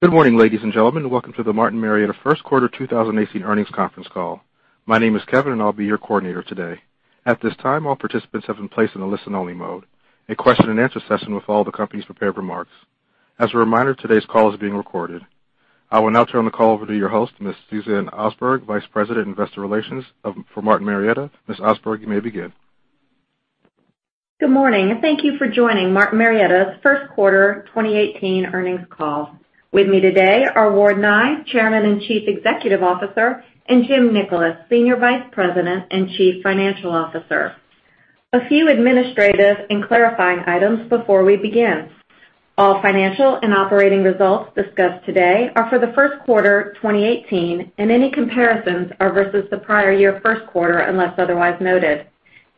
Good morning, ladies and gentlemen. Welcome to the Martin Marietta first quarter 2018 earnings conference call. My name is Kevin, and I'll be your coordinator today. At this time, all participants have been placed in a listen-only mode. A question and answer session will follow the company's prepared remarks. As a reminder, today's call is being recorded. I will now turn the call over to your host, Ms. Suzanne Osberg, Vice President, Investor Relations for Martin Marietta. Ms. Osberg, you may begin. Good morning, and thank you for joining Martin Marietta's first quarter 2018 earnings call. With me today are Ward Nye, Chairman and Chief Executive Officer, and Jim Nickolas, Senior Vice President and Chief Financial Officer. A few administrative and clarifying items before we begin. All financial and operating results discussed today are for the first quarter 2018, and any comparisons are versus the prior year first quarter, unless otherwise noted.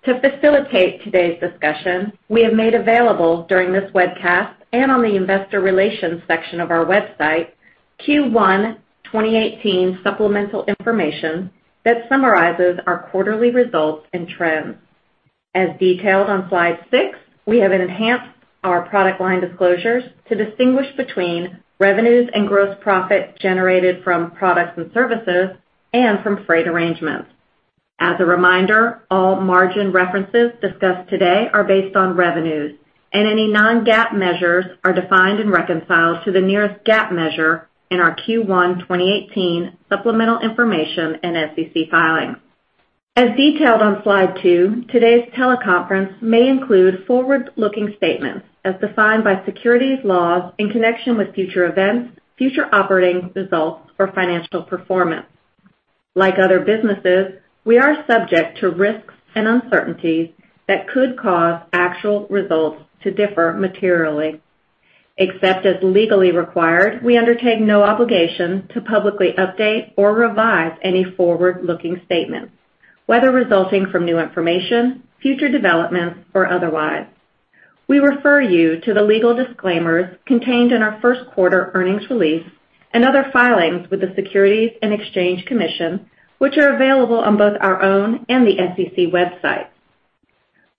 To facilitate today's discussion, we have made available during this webcast and on the investor relations section of our website, Q1 2018 supplemental information that summarizes our quarterly results and trends. As detailed on slide six, we have enhanced our product line disclosures to distinguish between revenues and gross profit generated from products and services and from freight arrangements. As a reminder, all margin references discussed today are based on revenues, and any non-GAAP measures are defined and reconciled to the nearest GAAP measure in our Q1 2018 supplemental information and SEC filings. As detailed on slide two, today's teleconference may include forward-looking statements as defined by securities laws in connection with future events, future operating results or financial performance. Like other businesses, we are subject to risks and uncertainties that could cause actual results to differ materially. Except as legally required, we undertake no obligation to publicly update or revise any forward-looking statements, whether resulting from new information, future developments, or otherwise. We refer you to the legal disclaimers contained in our first quarter earnings release and other filings with the Securities and Exchange Commission, which are available on both our own and the SEC website.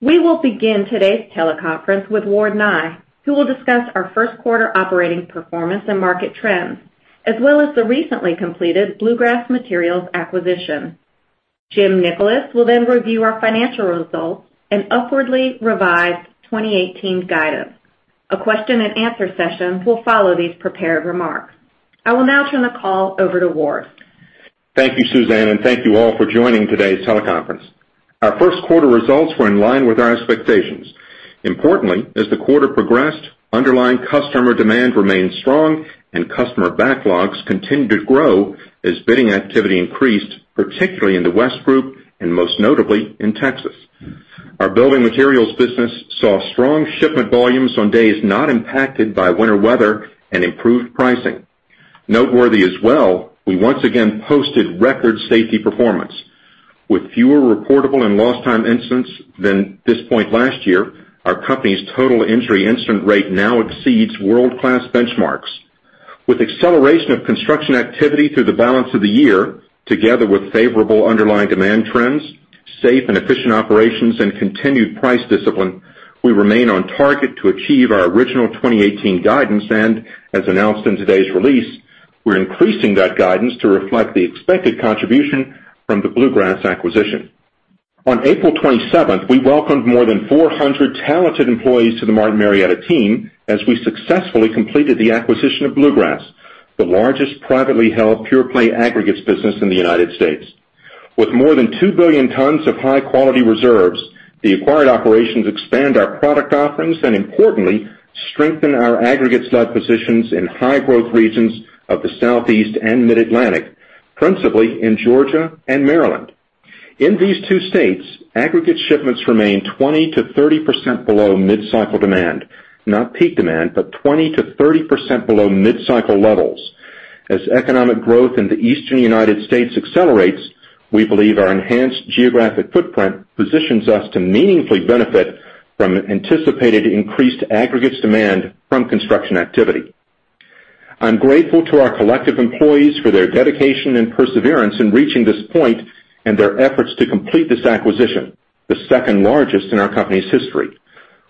We will begin today's teleconference with Ward Nye, who will discuss our first quarter operating performance and market trends, as well as the recently completed Bluegrass Materials acquisition. Jim Nickolas will then review our financial results and upwardly revise 2018 guidance. A question and answer session will follow these prepared remarks. I will now turn the call over to Ward. Thank you, Suzanne, and thank you all for joining today's teleconference. Our first quarter results were in line with our expectations. Importantly, as the quarter progressed, underlying customer demand remained strong and customer backlogs continued to grow as bidding activity increased, particularly in the West Division and most notably in Texas. Our building materials business saw strong shipment volumes on days not impacted by winter weather and improved pricing. Noteworthy as well, we once again posted record safety performance. With fewer reportable and lost time incidents than this point last year, our company's total injury incident rate now exceeds world-class benchmarks. With acceleration of construction activity through the balance of the year, together with favorable underlying demand trends, safe and efficient operations, and continued price discipline, we remain on target to achieve our original 2018 guidance. As announced in today's release, we're increasing that guidance to reflect the expected contribution from the Bluegrass acquisition. On April 27th, we welcomed more than 400 talented employees to the Martin Marietta team as we successfully completed the acquisition of Bluegrass, the largest privately held pure-play aggregates business in the U.S. With more than 2 billion tons of high-quality reserves, the acquired operations expand our product offerings and importantly, strengthen our aggregate slot positions in high-growth regions of the Southeast and Mid-Atlantic, principally in Georgia and Maryland. In these two states, aggregate shipments remain 20%-30% below mid-cycle demand. Not peak demand, but 20%-30% below mid-cycle levels. As economic growth in the Eastern U.S. accelerates, we believe our enhanced geographic footprint positions us to meaningfully benefit from anticipated increased aggregates demand from construction activity. I'm grateful to our collective employees for their dedication and perseverance in reaching this point and their efforts to complete this acquisition, the second largest in our company's history.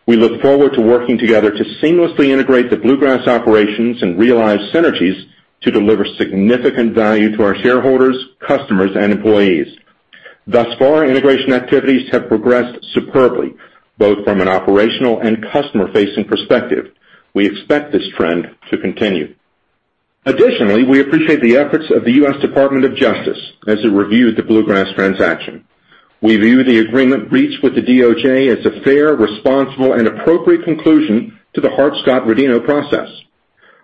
We look forward to working together to seamlessly integrate the Bluegrass operations and realize synergies to deliver significant value to our shareholders, customers, and employees. Thus far, integration activities have progressed superbly, both from an operational and customer-facing perspective. We expect this trend to continue. We appreciate the efforts of the U.S. Department of Justice as it reviewed the Bluegrass transaction. We view the agreement reached with the DOJ as a fair, responsible, and appropriate conclusion to the Hart-Scott-Rodino process.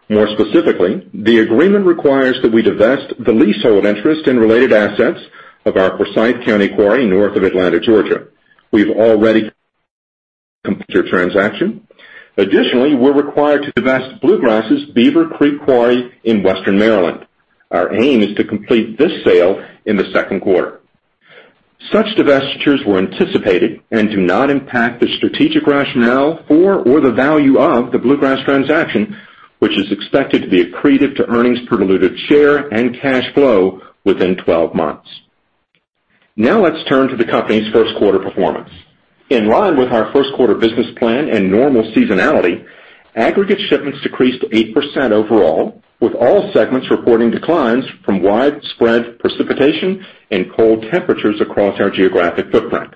More specifically, the agreement requires that we divest the leasehold interest in related assets of our Forsyth County quarry north of Atlanta, Georgia. We've already completed the transaction. We're required to divest Bluegrass's Beaver Creek quarry in Western Maryland. Our aim is to complete this sale in the second quarter. Such divestitures were anticipated and do not impact the strategic rationale for or the value of the Bluegrass transaction, which is expected to be accretive to earnings per diluted share and cash flow within 12 months. Let's turn to the company's first quarter performance. In line with our first quarter business plan and normal seasonality, aggregate shipments decreased 8% overall, with all segments reporting declines from widespread precipitation and cold temperatures across our geographic footprint.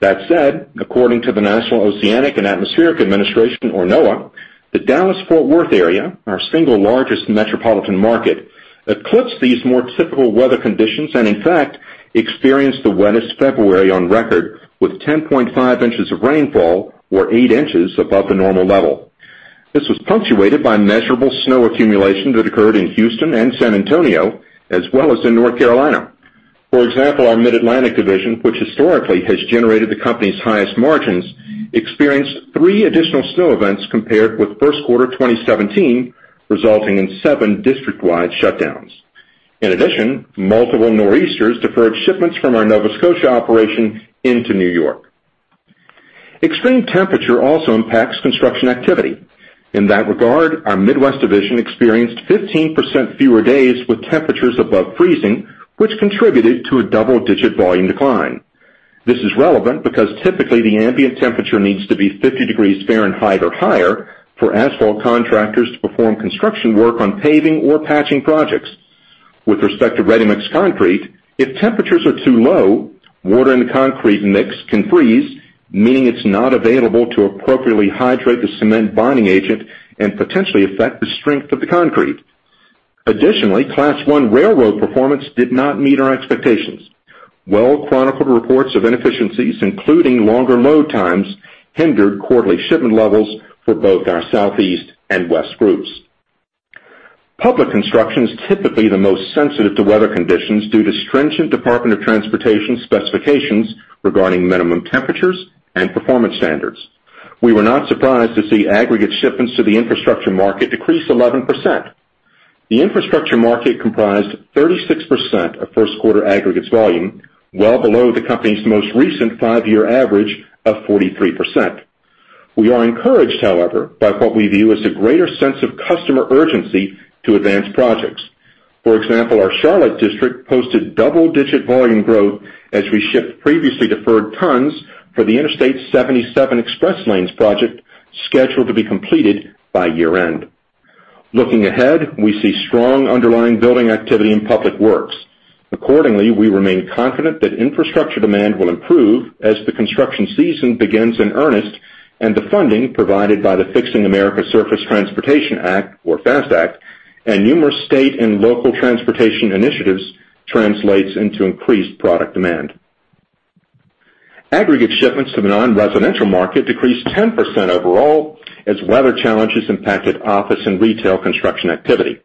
According to the National Oceanic and Atmospheric Administration, or NOAA, the Dallas-Fort Worth area, our single largest metropolitan market, eclipsed these more typical weather conditions and, in fact, experienced the wettest February on record with 10.5 inches of rainfall or eight inches above the normal level. This was punctuated by measurable snow accumulation that occurred in Houston and San Antonio, as well as in North Carolina. For example, our Mid-Atlantic Division, which historically has generated the company's highest margins, experienced three additional snow events compared with first quarter 2017, resulting in seven district-wide shutdowns. In addition, multiple nor'easters deferred shipments from our Nova Scotia operation into New York. Extreme temperature also impacts construction activity. In that regard, our Midwest Division experienced 15% fewer days with temperatures above freezing, which contributed to a double-digit volume decline. This is relevant because typically the ambient temperature needs to be 50 degrees Fahrenheit or higher for asphalt contractors to perform construction work on paving or patching projects. With respect to ready-mix concrete, if temperatures are too low, water in the concrete mix can freeze, meaning it's not available to appropriately hydrate the cement bonding agent and potentially affect the strength of the concrete. Additionally, Class I railroad performance did not meet our expectations. Well-chronicled reports of inefficiencies, including longer load times, hindered quarterly shipment levels for both our Southeast and West groups. Public construction is typically the most sensitive to weather conditions due to stringent Department of Transportation specifications regarding minimum temperatures and performance standards. We were not surprised to see aggregate shipments to the infrastructure market decrease 11%. The infrastructure market comprised 36% of first quarter aggregates volume, well below the company's most recent five-year average of 43%. We are encouraged, however, by what we view as a greater sense of customer urgency to advance projects. For example, our Charlotte district posted double-digit volume growth as we shipped previously deferred tons for the Interstate 77 Express Lanes project, scheduled to be completed by year-end. Accordingly, we remain confident that infrastructure demand will improve as the construction season begins in earnest and the funding provided by the Fixing America's Surface Transportation Act, or FAST Act, and numerous state and local transportation initiatives translates into increased product demand. Aggregate shipments to the non-residential market decreased 10% overall as weather challenges impacted office and retail construction activity.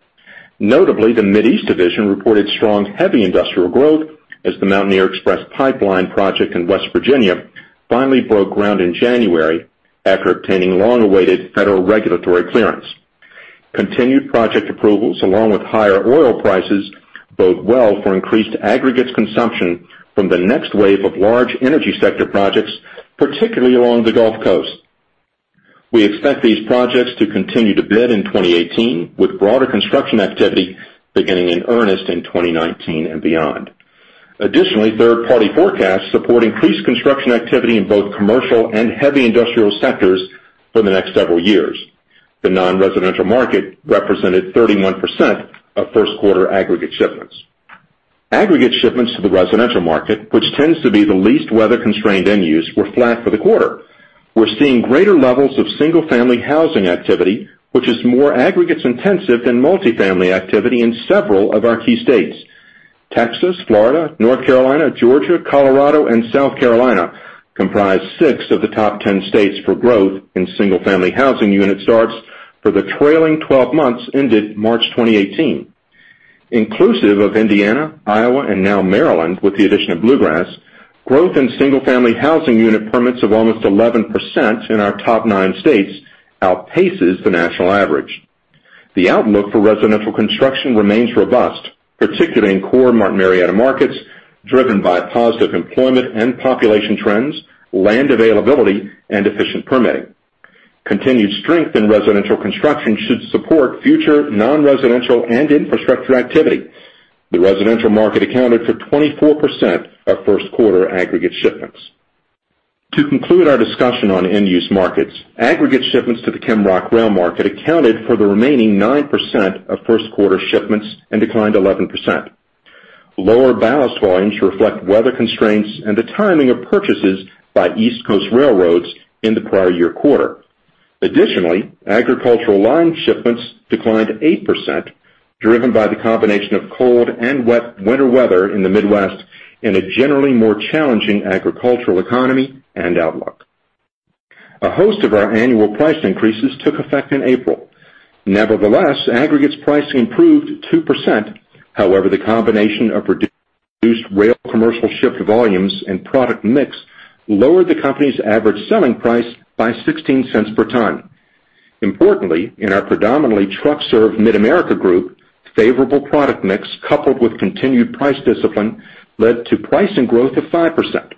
Notably, the Mideast Division reported strong heavy industrial growth as the Mountaineer Xpress Pipeline project in West Virginia finally broke ground in January after obtaining long-awaited federal regulatory clearance. Continued project approvals, along with higher oil prices, bode well for increased aggregates consumption from the next wave of large energy sector projects, particularly along the Gulf Coast. We expect these projects to continue to bid in 2018, with broader construction activity beginning in earnest in 2019 and beyond. Additionally, third-party forecasts support increased construction activity in both commercial and heavy industrial sectors for the next several years. The non-residential market represented 31% of first quarter aggregate shipments. Aggregate shipments to the residential market, which tends to be the least weather-constrained end use, were flat for the quarter. We're seeing greater levels of single-family housing activity, which is more aggregates intensive than multi-family activity in several of our key states. Texas, Florida, North Carolina, Georgia, Colorado, and South Carolina comprise six of the top 10 states for growth in single-family housing unit starts for the trailing 12 months ended March 2018. Inclusive of Indiana, Iowa, and now Maryland, with the addition of Bluegrass, growth in single-family housing unit permits of almost 11% in our top nine states outpaces the national average. The outlook for residential construction remains robust, particularly in core Martin Marietta markets, driven by positive employment and population trends, land availability, and efficient permitting. Continued strength in residential construction should support future non-residential and infrastructure activity. The residential market accounted for 24% of first quarter aggregate shipments. To conclude our discussion on end-use markets, aggregate shipments to the ChemRock/Rail market accounted for the remaining 9% of first quarter shipments and declined 11%. Lower ballast volumes reflect weather constraints and the timing of purchases by East Coast railroads in the prior year quarter. Additionally, agricultural lime shipments declined 8%, driven by the combination of cold and wet winter weather in the Midwest and a generally more challenging agricultural economy and outlook. A host of our annual price increases took effect in April. Nevertheless, aggregates pricing improved 2%. However, the combination of reduced rail commercial shipped volumes and product mix lowered the company's average selling price by $0.16 per ton. Importantly, in our predominantly truck-served Mid-America Group, favorable product mix coupled with continued price discipline led to pricing growth of 5%.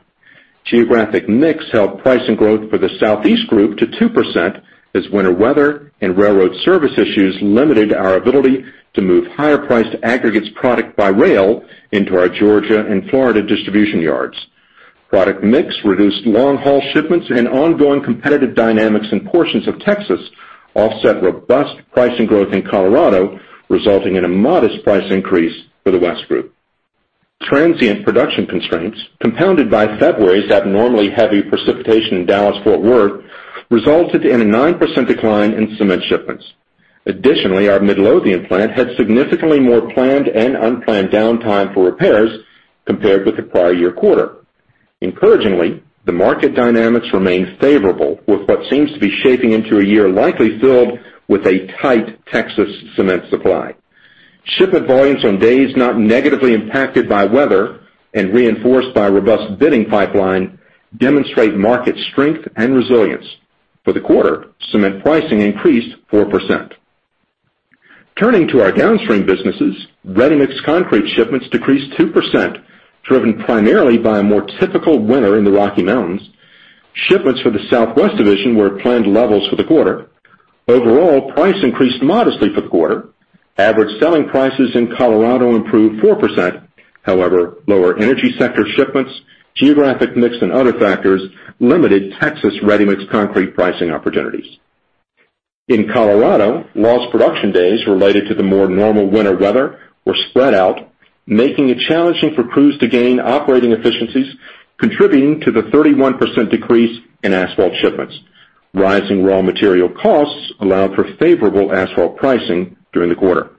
Geographic mix helped pricing growth for the Southeast Group to 2%, as winter weather and railroad service issues limited our ability to move higher priced aggregates product by rail into our Georgia and Florida distribution yards. Product mix reduced long-haul shipments and ongoing competitive dynamics in portions of Texas offset robust pricing growth in Colorado, resulting in a modest price increase for the West Division. Transient production constraints, compounded by February's abnormally heavy precipitation in Dallas Fort Worth, resulted in a 9% decline in cement shipments. Additionally, our Midlothian plant had significantly more planned and unplanned downtime for repairs compared with the prior year quarter. Encouragingly, the market dynamics remained favorable with what seems to be shaping into a year likely filled with a tight Texas cement supply. Shipment volumes on days not negatively impacted by weather, and reinforced by a robust bidding pipeline, demonstrate market strength and resilience. For the quarter, cement pricing increased 4%. Turning to our downstream businesses, ready-mix concrete shipments decreased 2%, driven primarily by a more typical winter in the Rocky Mountains. Shipments for the Southwest Division were at planned levels for the quarter. Overall, price increased modestly for the quarter. Average selling prices in Colorado improved 4%. However, lower energy sector shipments, geographic mix, and other factors limited Texas ready-mix concrete pricing opportunities. In Colorado, lost production days related to the more normal winter weather were spread out, making it challenging for crews to gain operating efficiencies, contributing to the 31% decrease in asphalt shipments. Rising raw material costs allowed for favorable asphalt pricing during the quarter.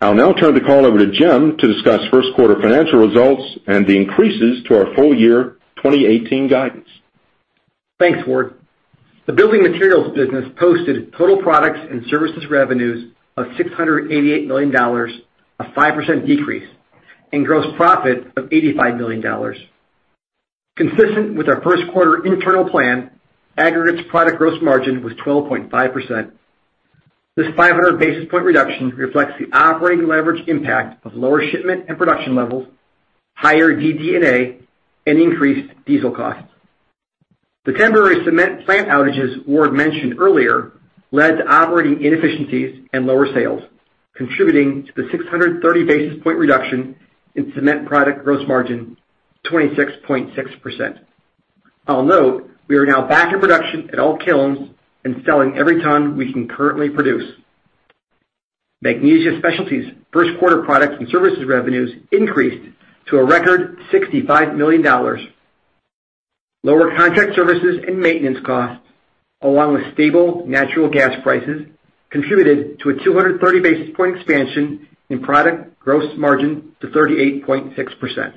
I'll now turn the call over to Jim to discuss first quarter financial results and the increases to our full year 2018 guidance. Thanks, Ward. The building materials business posted total products and services revenues of $688 million, a 5% decrease, and gross profit of $85 million. Consistent with our first quarter internal plan, aggregates product gross margin was 12.5%. This 500 basis point reduction reflects the operating leverage impact of lower shipment and production levels, higher DD&A, and increased diesel costs. The temporary cement plant outages Ward mentioned earlier led to operating inefficiencies and lower sales, contributing to the 630 basis point reduction in cement product gross margin to 26.6%. I'll note we are now back in production at all kilns and selling every ton we can currently produce. Magnesia Specialties first quarter products and services revenues increased to a record $65 million. Lower contract services and maintenance costs, along with stable natural gas prices, contributed to a 230 basis point expansion in product gross margin to 38.6%.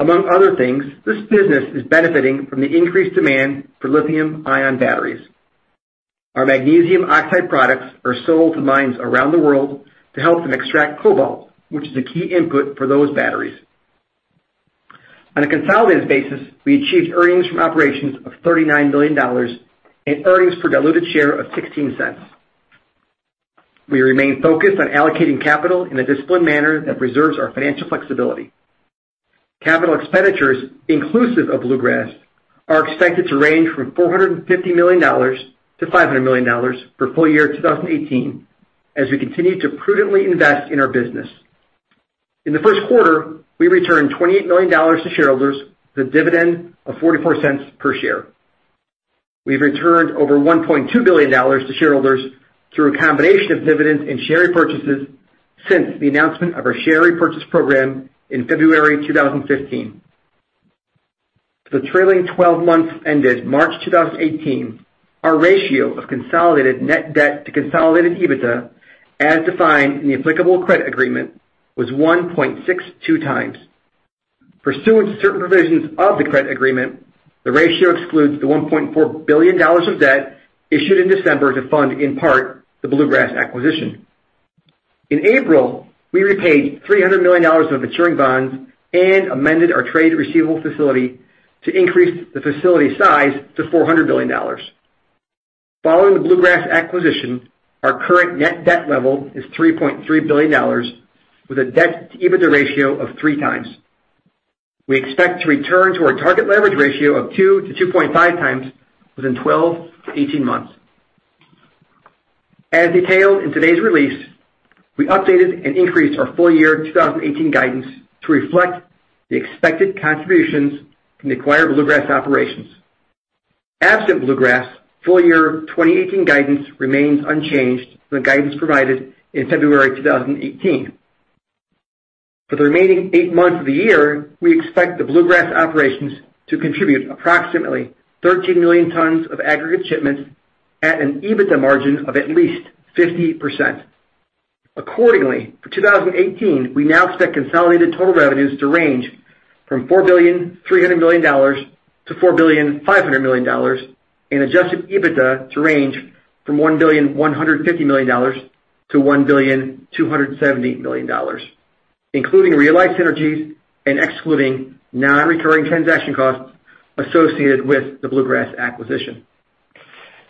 Among other things, this business is benefiting from the increased demand for lithium-ion batteries. Our magnesium oxide products are sold to mines around the world to help them extract cobalt, which is a key input for those batteries. On a consolidated basis, we achieved earnings from operations of $39 million and earnings per diluted share of $0.16. We remain focused on allocating capital in a disciplined manner that preserves our financial flexibility. Capital expenditures, inclusive of Bluegrass, are expected to range from $450 million to $500 million for full year 2018 as we continue to prudently invest in our business. In the first quarter, we returned $28 million to shareholders with a dividend of $0.44 per share. We've returned over $1.2 billion to shareholders through a combination of dividends and share repurchases since the announcement of our share repurchase program in February 2015. For the trailing 12 months ended March 2018, our ratio of consolidated net debt to consolidated EBITDA, as defined in the applicable credit agreement, was 1.62 times. Pursuant to certain provisions of the credit agreement, the ratio excludes the $1.4 billion of debt issued in December to fund, in part, the Bluegrass acquisition. In April, we repaid $300 million of maturing bonds and amended our trade receivable facility to increase the facility size to $400 million. Following the Bluegrass acquisition, our current net debt level is $3.3 billion, with a debt-to-EBITDA ratio of three times. We expect to return to our target leverage ratio of two to 2.5 times within 12 to 18 months. As detailed in today's release, we updated and increased our full year 2018 guidance to reflect the expected contributions from the acquired Bluegrass operations. Absent Bluegrass, full year 2018 guidance remains unchanged from the guidance provided in February 2018. For the remaining eight months of the year, we expect the Bluegrass operations to contribute approximately 13 million tons of aggregate shipments at an EBITDA margin of at least 50%. Accordingly, for 2018, we now expect consolidated total revenues to range from $4.3 billion to $4.5 billion and adjusted EBITDA to range from $1.150 billion to $1.270 billion, including realized synergies and excluding non-recurring transaction costs associated with the Bluegrass acquisition.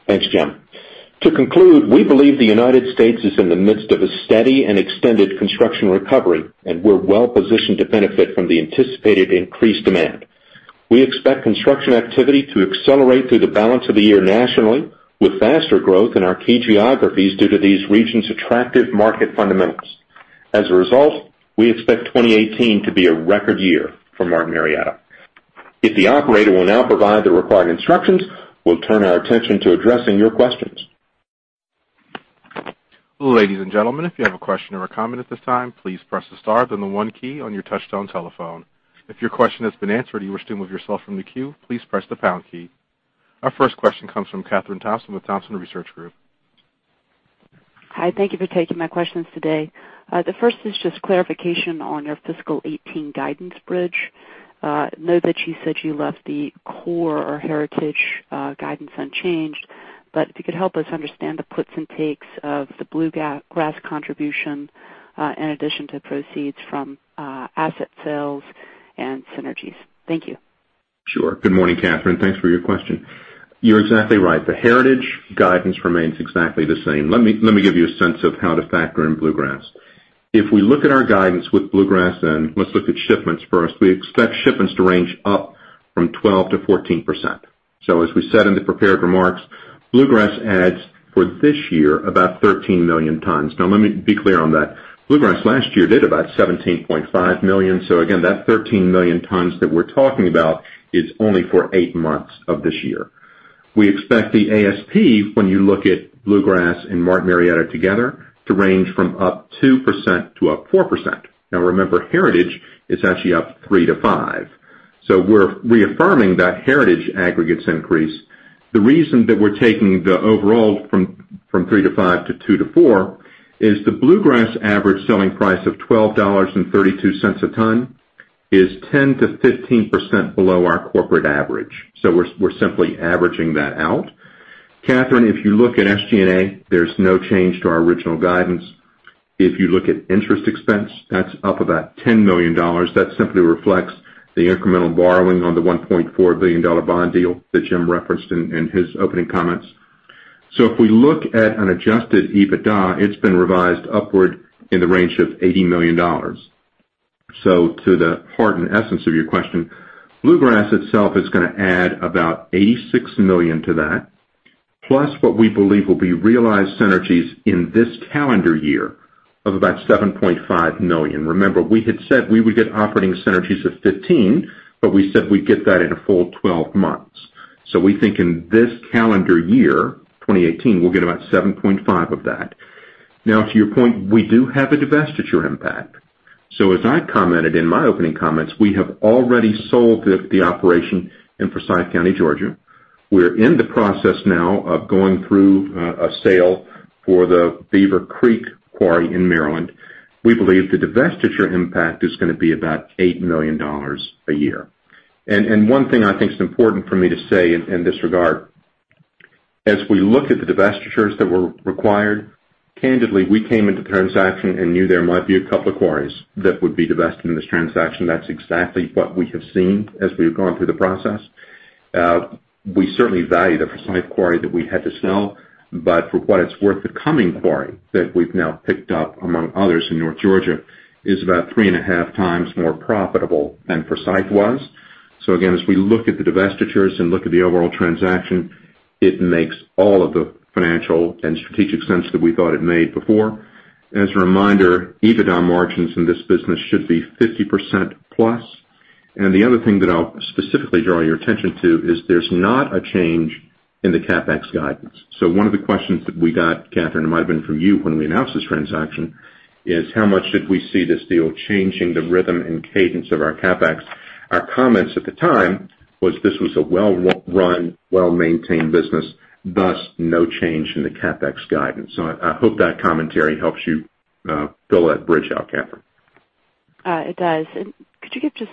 Thanks, Jim. To conclude, we believe the U.S. is in the midst of a steady and extended construction recovery, and we're well-positioned to benefit from the anticipated increased demand. We expect construction activity to accelerate through the balance of the year nationally, with faster growth in our key geographies due to these regions' attractive market fundamentals. As a result, we expect 2018 to be a record year for Martin Marietta. If the operator will now provide the required instructions, we'll turn our attention to addressing your questions. Ladies and gentlemen, if you have a question or a comment at this time, please press the star, then the one key on your touchtone telephone. If your question has been answered or you wish to remove yourself from the queue, please press the pound key. Our first question comes from Kathryn Thompson with Thompson Research Group. Hi. Thank you for taking my questions today. The first is just clarification on your fiscal 2018 guidance bridge. I know that you said you left the core or heritage guidance unchanged, if you could help us understand the puts and takes of the Bluegrass contribution, in addition to proceeds from asset sales and synergies. Thank you. Sure. Good morning, Kathryn. Thanks for your question. You're exactly right. The heritage guidance remains exactly the same. Let me give you a sense of how to factor in Bluegrass. If we look at our guidance with Bluegrass, let's look at shipments first. We expect shipments to range up from 12%-14%. As we said in the prepared remarks, Bluegrass adds, for this year, about 13 million tons. Let me be clear on that. Bluegrass last year did about 17.5 million tons, again, that 13 million tons that we're talking about is only for eight months of this year. We expect the ASP, when you look at Bluegrass and Martin Marietta together, to range from up 2%-4%. Remember, heritage is actually up 3%-5%. We're reaffirming that heritage aggregates increase. The reason that we're taking the overall from 3%-5% to 2%-4% is the Bluegrass average selling price of $12.32 a ton is 10%-15% below our corporate average. We're simply averaging that out. Kathryn, if you look at SG&A, there's no change to our original guidance. You look at interest expense, that's up about $10 million. That simply reflects the incremental borrowing on the $1.4 billion bond deal that Jim referenced in his opening comments. If we look at an adjusted EBITDA, it's been revised upward in the range of $80 million. To the heart and essence of your question, Bluegrass itself is gonna add about $86 million to that, plus what we believe will be realized synergies in this calendar year of about $7.5 million. Remember, we had said we would get operating synergies of $15 million, we said we'd get that in a full 12 months. We think in this calendar year, 2018, we'll get about $7.5 million of that. To your point, we do have a divestiture impact. As I commented in my opening comments, we have already sold the operation in Forsyth County, Georgia. We're in the process now of going through a sale for the Beaver Creek Quarry in Maryland. We believe the divestiture impact is gonna be about $8 million a year. One thing I think is important for me to say in this regard, as we look at the divestitures that were required, candidly, we came into the transaction and knew there might be a couple of quarries that would be divested in this transaction. That's exactly what we have seen as we've gone through the process. We certainly value the Forsyth Quarry that we had to sell, but for what it's worth, the Cumming Quarry that we've now picked up among others in North Georgia, is about 3.5 times more profitable than Forsyth was. Again, as we look at the divestitures and look at the overall transaction, it makes all of the financial and strategic sense that we thought it made before. As a reminder, EBITDA margins in this business should be 50% plus. The other thing that I'll specifically draw your attention to is there's not a change in the CapEx guidance. One of the questions that we got, Kathryn, it might have been from you when we announced this transaction, is how much did we see this deal changing the rhythm and cadence of our CapEx? Our comments at the time was this was a well-run, well-maintained business, thus no change in the CapEx guidance. I hope that commentary helps you fill that bridge out, Kathryn. It does.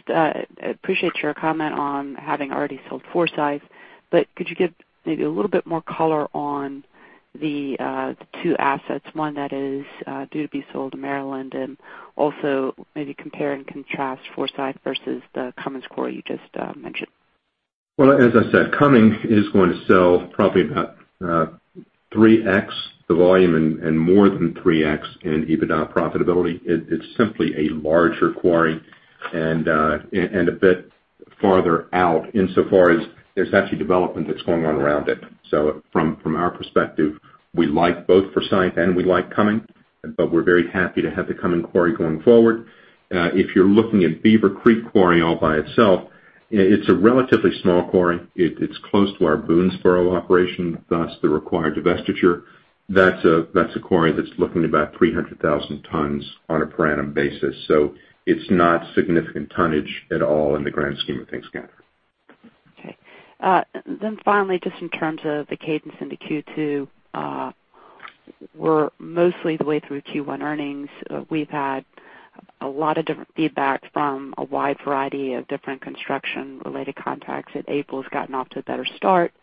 I appreciate your comment on having already sold Forsyth, could you give maybe a little bit more color on the two assets, one that is due to be sold in Maryland, and also maybe compare and contrast Forsyth versus the Cumming Quarry you just mentioned? Well, as I said, Cumming is going to sell probably about 3X the volume and more than 3X in EBITDA profitability. It's simply a larger quarry and a bit farther out insofar as there's actually development that's going on around it. From our perspective, we like both Forsyth and we like Cumming, but we're very happy to have the Cumming Quarry going forward. If you're looking at Beaver Creek Quarry all by itself, it's a relatively small quarry. It's close to our Boonsboro operation, thus the required divestiture. That's a quarry that's looking about 300,000 tons on a per annum basis. It's not significant tonnage at all in the grand scheme of things, Kathryn. Okay. Finally, just in terms of the cadence into Q2, we're mostly the way through Q1 earnings. We've had a lot of different feedback from a wide variety of different construction-related contacts that April's gotten off to a better start.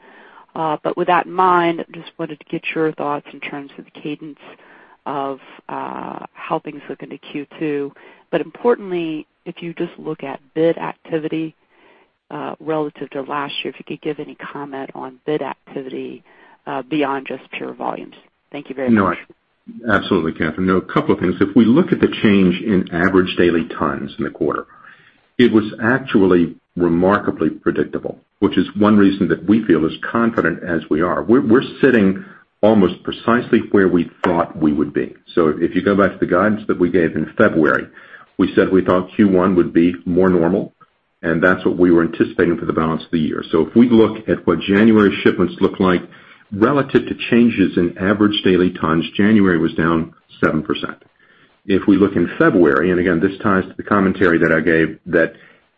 With that in mind, just wanted to get your thoughts in terms of the cadence of how things look into Q2. Importantly, if you just look at bid activity relative to last year, if you could give any comment on bid activity beyond just pure volumes. Thank you very much. No. Absolutely, Kathryn. No, a couple of things. If we look at the change in average daily tons in the quarter, it was actually remarkably predictable, which is one reason that we feel as confident as we are. We're sitting almost precisely where we thought we would be. If you go back to the guidance that we gave in February, we said we thought Q1 would be more normal, and that's what we were anticipating for the balance of the year. If we look at what January shipments look like relative to changes in average daily tons, January was down 7%. If we look in February, and again, this ties to the commentary that I gave, that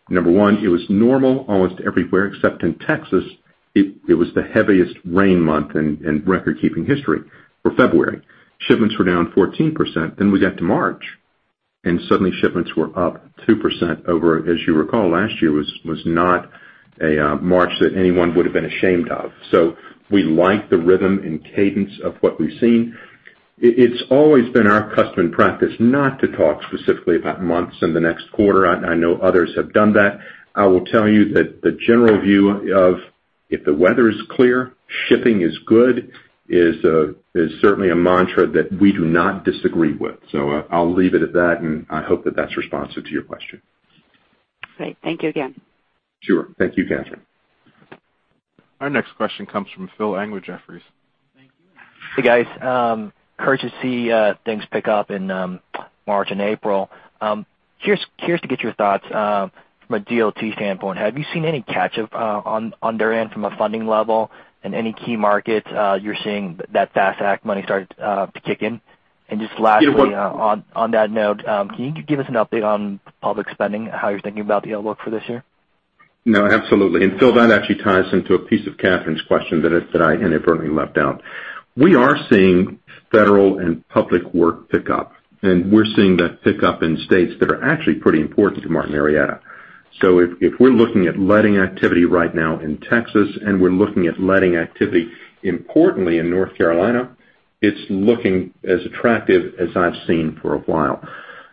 number one, it was normal almost everywhere except in Texas. It was the heaviest rain month in record-keeping history for February. Shipments were down 14%. We got to March, suddenly shipments were up 2% over, as you recall, last year was not a March that anyone would've been ashamed of. We like the rhythm and cadence of what we've seen. It's always been our custom practice not to talk specifically about months in the next quarter. I know others have done that. I will tell you that the general view of if the weather is clear, shipping is good, is certainly a mantra that we do not disagree with. I'll leave it at that, and I hope that that's responsive to your question. Great. Thank you again. Sure. Thank you, Kathryn. Our next question comes from Philip Ng, Jefferies. Thank you. Hey, guys. Curious to see things pick up in March and April. Curious to get your thoughts from a DOT standpoint, have you seen any catch up on their end from a funding level and any key markets you're seeing that FAST Act money start to kick in? Just lastly- Yeah. on that note, can you give us an update on public spending, how you're thinking about the outlook for this year? No, absolutely. Phil, that actually ties into a piece of Kathryn's question that I inadvertently left out. We are seeing federal and public work pick up, and we're seeing that pick up in states that are actually pretty important to Martin Marietta. If we're looking at letting activity right now in Texas, and we're looking at letting activity, importantly in North Carolina, it's looking as attractive as I've seen for a while.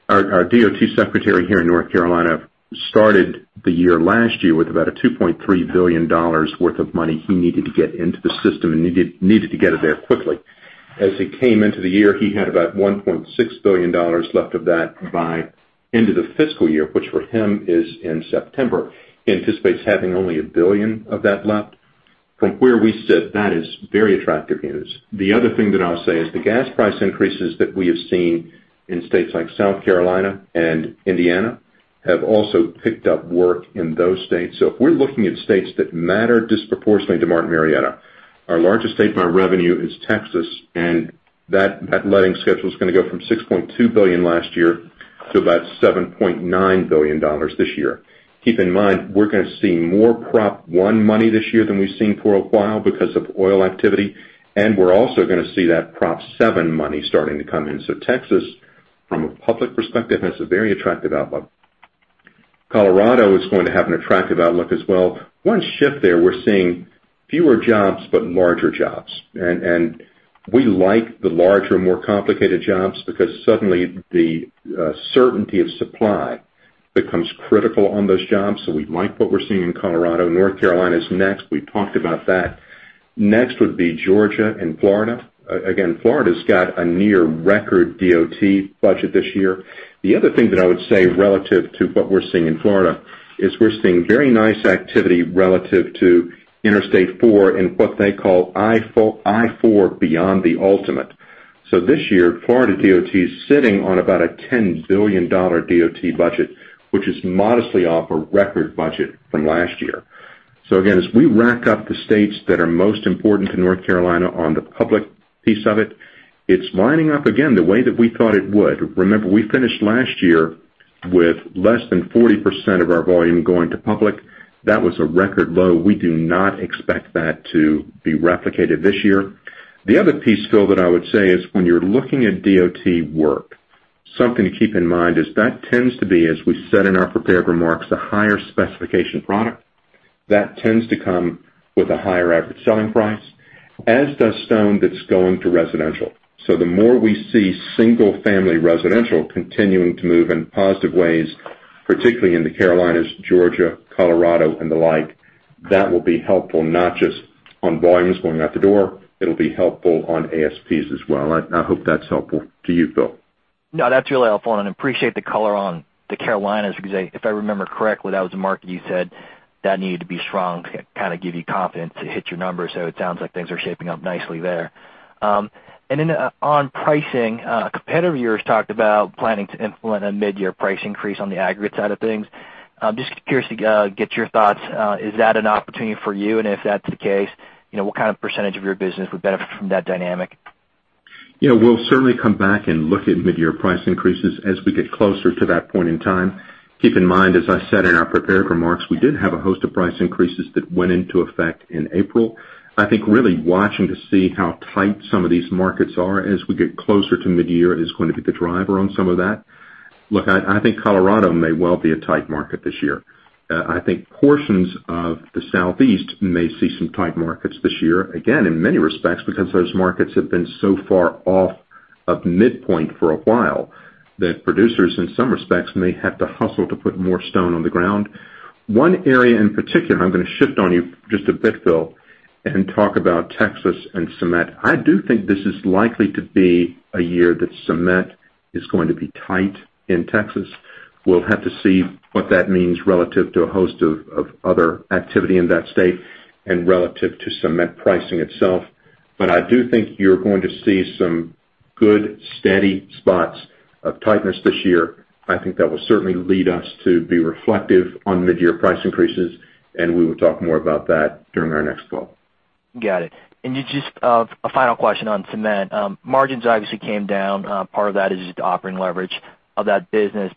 Our DOT secretary here in North Carolina started the year last year with about $2.3 billion worth of money he needed to get into the system and needed to get it there quickly. As he came into the year, he had about $1.6 billion left of that by end of the fiscal year, which for him is in September. He anticipates having only $1 billion of that left. From where we sit, that is very attractive news. The other thing that I'll say is the gas price increases that we have seen in states like South Carolina and Indiana have also picked up work in those states. If we're looking at states that matter disproportionately to Martin Marietta, our largest state by revenue is Texas, and that letting schedule's gonna go from $6.2 billion last year to about $7.9 billion this year. Keep in mind, we're gonna see more Proposition 1 money this year than we've seen for a while because of oil activity, and we're also gonna see that Proposition 7 money starting to come in. Texas, from a public perspective, has a very attractive outlook. Colorado is going to have an attractive outlook as well. One shift there, we're seeing fewer jobs, but larger jobs. We like the larger, more complicated jobs because suddenly the certainty of supply becomes critical on those jobs. We like what we're seeing in Colorado. North Carolina's next. We talked about that. Next would be Georgia and Florida. Again, Florida's got a near record DOT budget this year. The other thing that I would say relative to what we're seeing in Florida is we're seeing very nice activity relative to Interstate 4 in what they call I-4 Beyond the Ultimate. This year, Florida DOT is sitting on about a $10 billion DOT budget, which is modestly off a record budget from last year. Again, as we rack up the states that are most important to North Carolina on the public piece of it's lining up again the way that we thought it would. Remember, we finished last year with less than 40% of our volume going to public. That was a record low. We do not expect that to be replicated this year. The other piece, Phil, that I would say is when you're looking at DOT work, something to keep in mind is that tends to be, as we said in our prepared remarks, a higher specification product that tends to come with a higher average selling price, as does stone that's going to residential. The more we see single-family residential continuing to move in positive ways, particularly in the Carolinas, Georgia, Colorado, and the like, that will be helpful, not just on volumes going out the door, it'll be helpful on ASPs as well. I hope that's helpful to you, Phil. No, that's really helpful, and I appreciate the color on the Carolinas because if I remember correctly, that was a market you said that needed to be strong to kind of give you confidence to hit your numbers. It sounds like things are shaping up nicely there. Then on pricing, a competitor of yours talked about planning to implement a mid-year price increase on the aggregate side of things. Just curious to get your thoughts. Is that an opportunity for you? If that's the case, what kind of percentage of your business would benefit from that dynamic? Yeah. We'll certainly come back and look at mid-year price increases as we get closer to that point in time. Keep in mind, as I said in our prepared remarks, we did have a host of price increases that went into effect in April. I think really watching to see how tight some of these markets are as we get closer to mid-year is going to be the driver on some of that. Look, I think Colorado may well be a tight market this year. I think portions of the Southeast may see some tight markets this year, again, in many respects, because those markets have been so far off of midpoint for a while that producers, in some respects, may have to hustle to put more stone on the ground. One area in particular, I'm going to shift on you just a bit, Phil, and talk about Texas and cement. I do think this is likely to be a year that cement is going to be tight in Texas. We'll have to see what that means relative to a host of other activity in that state and relative to cement pricing itself. I do think you're going to see some good, steady spots of tightness this year. I think that will certainly lead us to be reflective on mid-year price increases. We will talk more about that during our next call. Got it. Just a final question on cement. Margins obviously came down. Part of that is just operating leverage of that business.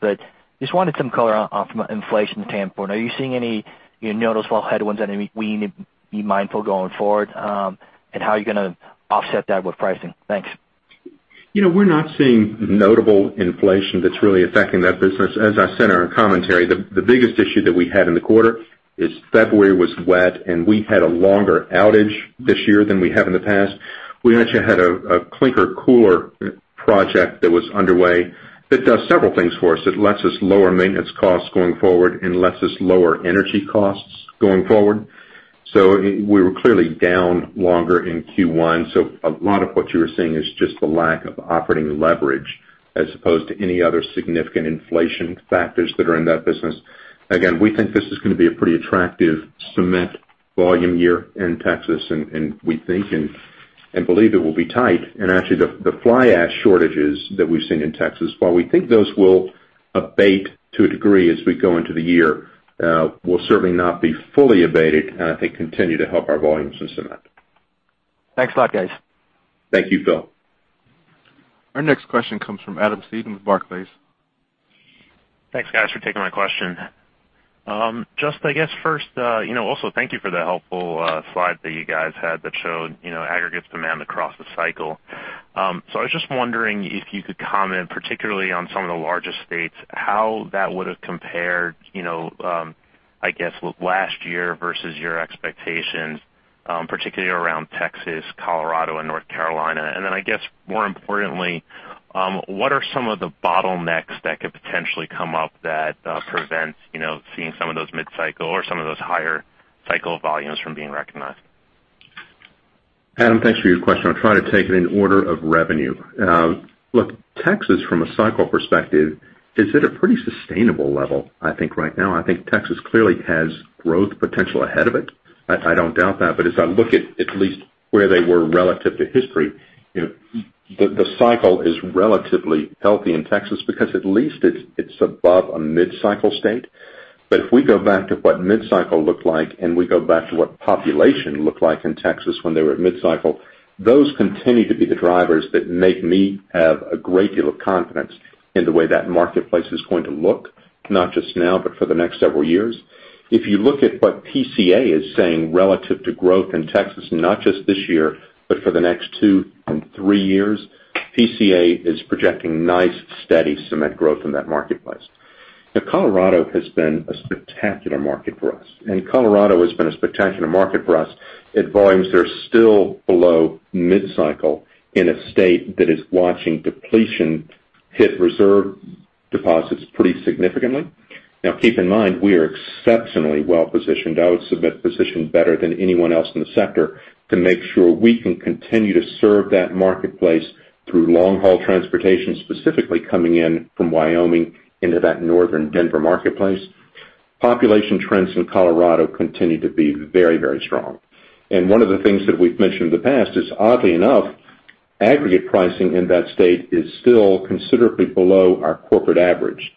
Just wanted some color from an inflation standpoint. Are you seeing any noticeable headwinds that we need to be mindful going forward? How are you going to offset that with pricing? Thanks. We're not seeing notable inflation that's really affecting that business. As I said in our commentary, the biggest issue that we had in the quarter is February was wet. We had a longer outage this year than we have in the past. We actually had a clinker cooler project that was underway that does several things for us. It lets us lower maintenance costs going forward and lets us lower energy costs going forward. We were clearly down longer in Q1. A lot of what you were seeing is just the lack of operating leverage as opposed to any other significant inflation factors that are in that business. Again, we think this is going to be a pretty attractive cement volume year in Texas. We think and believe it will be tight. actually, the fly ash shortages that we've seen in Texas, while we think those will abate to a degree as we go into the year, will certainly not be fully abated and I think continue to help our volumes in cement. Thanks a lot, guys. Thank you, Phil. Our next question comes from Adam Seiden with Barclays. Thanks, guys, for taking my question. Also thank you for the helpful slide that you guys had that showed aggregate demand across the cycle. I was just wondering if you could comment, particularly on some of the larger states, how that would have compared, I guess, with last year versus your expectations, particularly around Texas, Colorado, and North Carolina. I guess more importantly, what are some of the bottlenecks that could potentially come up that prevent seeing some of those mid-cycle or some of those higher cycle volumes from being recognized? Adam, thanks for your question. I'll try to take it in order of revenue. Look, Texas, from a cycle perspective, is at a pretty sustainable level, I think, right now. I think Texas clearly has growth potential ahead of it. I don't doubt that. As I look at least where they were relative to history, the cycle is relatively healthy in Texas because at least it's above a mid-cycle state. If we go back to what mid-cycle looked like and we go back to what population looked like in Texas when they were at mid-cycle, those continue to be the drivers that make me have a great deal of confidence in the way that marketplace is going to look, not just now, but for the next several years. If you look at what PCA is saying relative to growth in Texas, not just this year, but for the next two and three years, PCA is projecting nice, steady cement growth in that marketplace. Colorado has been a spectacular market for us. Colorado has been a spectacular market for us at volumes that are still below mid-cycle in a state that is watching depletion hit reserve deposits pretty significantly. Keep in mind, we are exceptionally well-positioned, I would submit, positioned better than anyone else in the sector, to make sure we can continue to serve that marketplace through long-haul transportation, specifically coming in from Wyoming into that northern Denver marketplace. Population trends in Colorado continue to be very, very strong. One of the things that we've mentioned in the past is, oddly enough, aggregate pricing in that state is still considerably below our corporate average.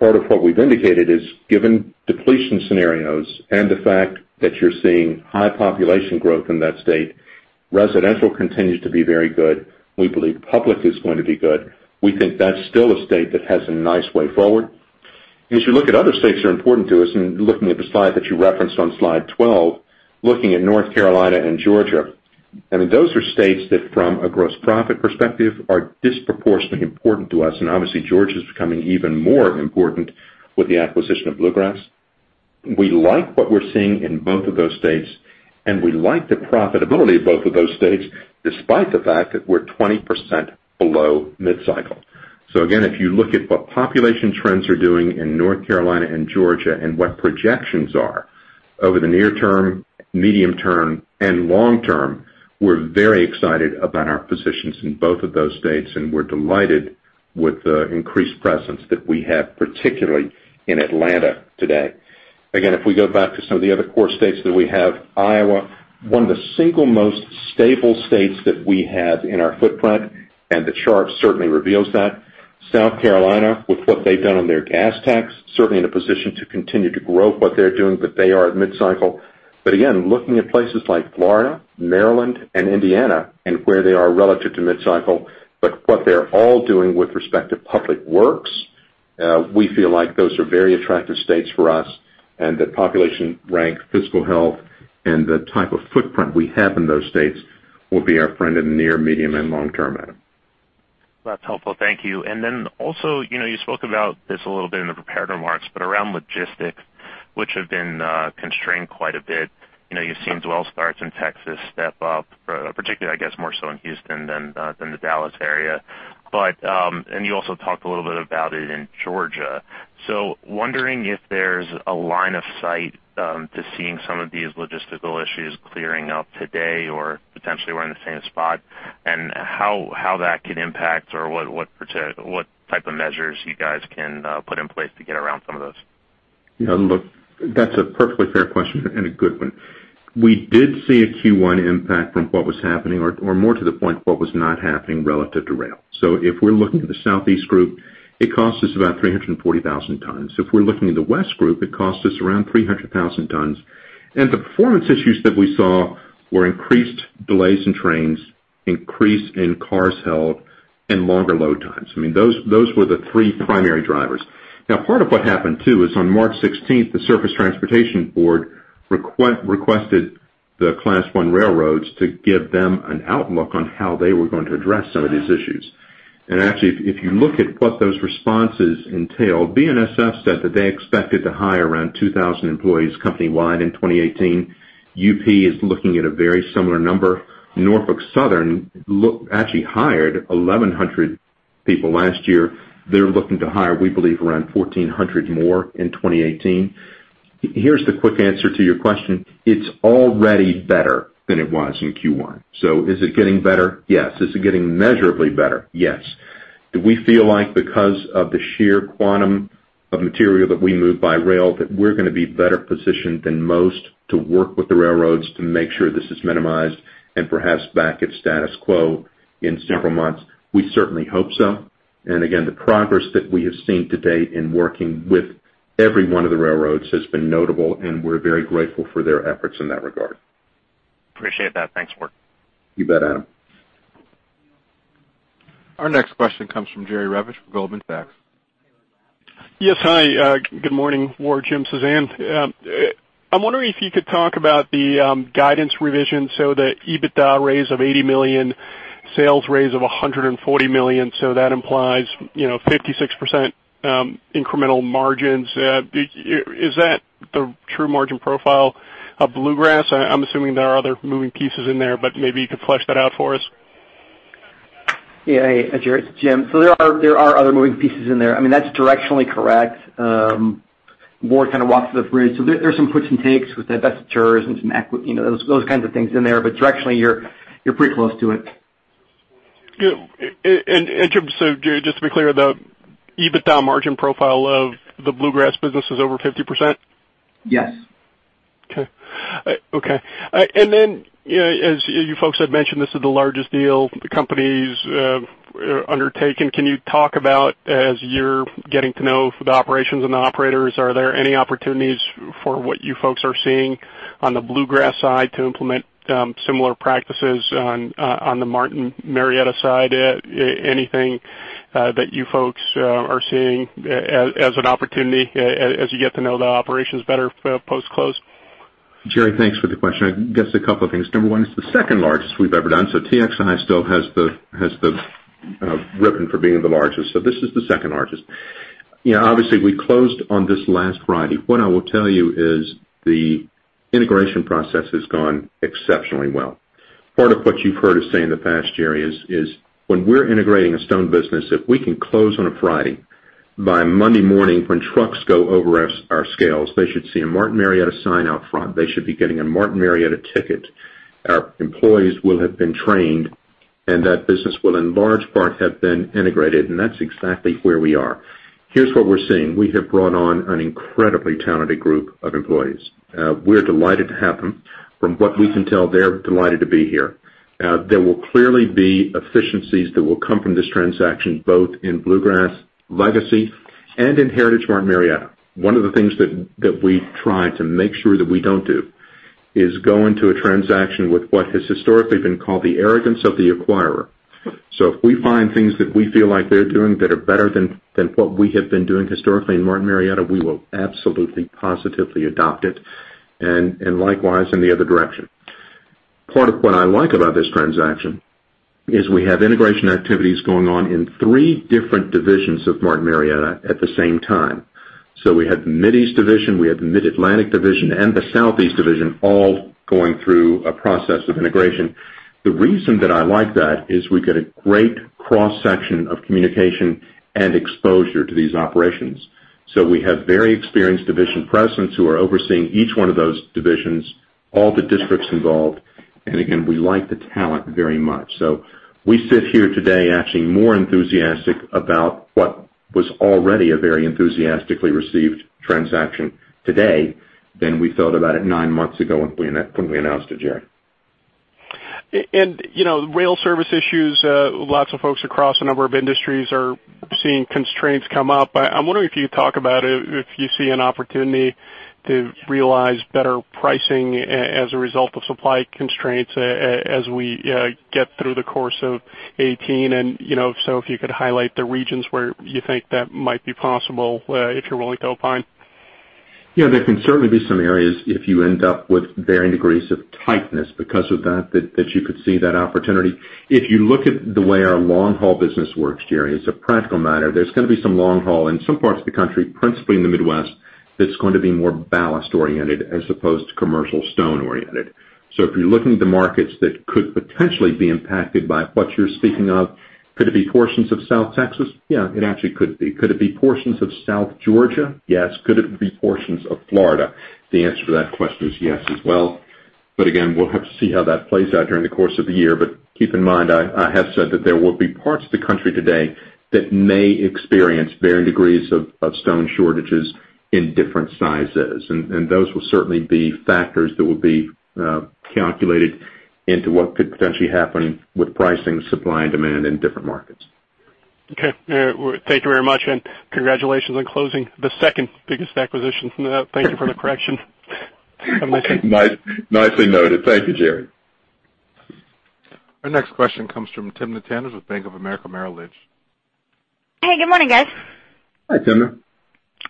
Part of what we've indicated is, given depletion scenarios and the fact that you're seeing high population growth in that state, residential continues to be very good. We believe public is going to be good. We think that's still a state that has a nice way forward. As you look at other states that are important to us and looking at the slide that you referenced on slide 12, looking at North Carolina and Georgia, I mean, those are states that from a gross profit perspective are disproportionately important to us. Obviously, Georgia is becoming even more important with the acquisition of Bluegrass. We like what we're seeing in both of those states, and we like the profitability of both of those states, despite the fact that we're 20% below mid-cycle. Again, if you look at what population trends are doing in North Carolina and Georgia and what projections are over the near term, medium term, and long term, we're very excited about our positions in both of those states, and we're delighted with the increased presence that we have, particularly in Atlanta today. Again, if we go back to some of the other core states that we have, Iowa, one of the single most stable states that we have in our footprint, and the chart certainly reveals that. South Carolina, with what they've done on their gas tax, certainly in a position to continue to grow what they're doing, but they are at mid-cycle. Again, looking at places like Florida, Maryland, and Indiana and where they are relative to mid-cycle, but what they're all doing with respect to public works, we feel like those are very attractive states for us and that population rank, fiscal health, and the type of footprint we have in those states will be our friend in the near, medium, and long term, Adam. That's helpful. Thank you. Also, you spoke about this a little bit in the prepared remarks, but around logistics, which have been constrained quite a bit. You've seen well starts in Texas step up, particularly, I guess, more so in Houston than the Dallas area. You also talked a little bit about it in Georgia. Wondering if there's a line of sight to seeing some of these logistical issues clearing up today or potentially we're in the same spot, and how that could impact or what type of measures you guys can put in place to get around some of those. Look, that's a perfectly fair question and a good one. We did see a Q1 impact from what was happening or more to the point, what was not happening relative to rail. If we're looking at the Southeast Group, it cost us about 340,000 tons. If we're looking at the West Group, it cost us around 300,000 tons. The performance issues that we saw were increased delays in trains, increase in cars held, and longer load times. Those were the three primary drivers. Now, part of what happened, too, is on March 16th, the Surface Transportation Board requested the Class I railroads to give them an outlook on how they were going to address some of these issues. Actually, if you look at what those responses entailed, BNSF said that they expected to hire around 2,000 employees company-wide in 2018. UP is looking at a very similar number. Norfolk Southern actually hired 1,100 people last year. They are looking to hire, we believe, around 1,400 more in 2018. Here is the quick answer to your question. It is already better than it was in Q1. Is it getting better? Yes. Is it getting measurably better? Yes. Do we feel like because of the sheer quantum of material that we move by rail, that we are going to be better positioned than most to work with the railroads to make sure this is minimized and perhaps back at status quo in several months? We certainly hope so. Again, the progress that we have seen to date in working with every one of the railroads has been notable, and we are very grateful for their efforts in that regard. Appreciate that. Thanks, Ward. You bet, Adam. Our next question comes from Jerry Revich with Goldman Sachs. Good morning, Ward, Jim, Suzanne. I'm wondering if you could talk about the guidance revision, the EBITDA raise of $80 million, sales raise of $140 million. That implies 56% incremental margins. Is that the true margin profile of Bluegrass? I'm assuming there are other moving pieces in there, but maybe you could flesh that out for us. Yeah. Hey, Jerry. It's Jim. There are other moving pieces in there. That's directionally correct. Ward kind of walked through those briefly. There's some puts and takes with divestitures and some equity, those kinds of things in there, but directionally, you're pretty close to it. Jim, just to be clear, the EBITDA margin profile of the Bluegrass business is over 50%? Yes. Okay. As you folks have mentioned, this is the largest deal the company's undertaken. Can you talk about as you're getting to know the operations and the operators, are there any opportunities for what you folks are seeing on the Bluegrass side to implement similar practices on the Martin Marietta side? Anything that you folks are seeing as an opportunity as you get to know the operations better post-close? Jerry, thanks for the question. I guess a couple of things. Number one, it's the second largest we've ever done. TXI still has the ribbon for being the largest. This is the second largest. Obviously, we closed on this last Friday. What I will tell you is the integration process has gone exceptionally well. Part of what you've heard us say in the past, Jerry, is when we're integrating a stone business, if we can close on a Friday, by Monday morning, when trucks go over our scales, they should see a Martin Marietta sign out front. They should be getting a Martin Marietta ticket. Our employees will have been trained, and that business will in large part have been integrated, and that's exactly where we are. Here's what we're seeing. We have brought on an incredibly talented group of employees. We're delighted to have them. From what we can tell, they're delighted to be here. There will clearly be efficiencies that will come from this transaction, both in Bluegrass legacy and in Heritage Martin Marietta. One of the things that we try to make sure that we don't do is go into a transaction with what has historically been called the arrogance of the acquirer. If we find things that we feel like they're doing that are better than what we have been doing historically in Martin Marietta, we will absolutely, positively adopt it, and likewise in the other direction. Part of what I like about this transaction is we have integration activities going on in three different divisions of Martin Marietta at the same time. We have the Mideast Division, we have the Mid-Atlantic Division, and the Southeast Division all going through a process of integration. The reason that I like that is we get a great cross-section of communication and exposure to these operations. We have very experienced division presidents who are overseeing each one of those divisions, all the districts involved, and again, we like the talent very much. We sit here today actually more enthusiastic about what was already a very enthusiastically received transaction today than we felt about it nine months ago when we announced it, Jerry. Rail service issues, lots of folks across a number of industries are seeing constraints come up. I'm wondering if you talk about if you see an opportunity to realize better pricing as a result of supply constraints as we get through the course of 2018, if you could highlight the regions where you think that might be possible, if you're willing to opine. There can certainly be some areas if you end up with varying degrees of tightness because of that you could see that opportunity. If you look at the way our long haul business works, Jerry, as a practical matter, there's going to be some long haul in some parts of the country, principally in the Midwest, that's going to be more ballast-oriented as opposed to commercial stone-oriented. If you're looking at the markets that could potentially be impacted by what you're speaking of, could it be portions of South Texas? Yeah, it actually could be. Could it be portions of South Georgia? Yes. Could it be portions of Florida? The answer to that question is yes as well. Again, we'll have to see how that plays out during the course of the year. Keep in mind, I have said that there will be parts of the country today that may experience varying degrees of stone shortages in different sizes, and those will certainly be factors that will be calculated into what could potentially happen with pricing, supply, and demand in different markets. Okay. Thank you very much. Congratulations on closing the second-biggest acquisition from that. Thank you for the correction. My mistake. Nicely noted. Thank you, Jerry. Our next question comes from Timna Tanners with Bank of America Merrill Lynch. Hey, good morning, guys. Hi, Timna.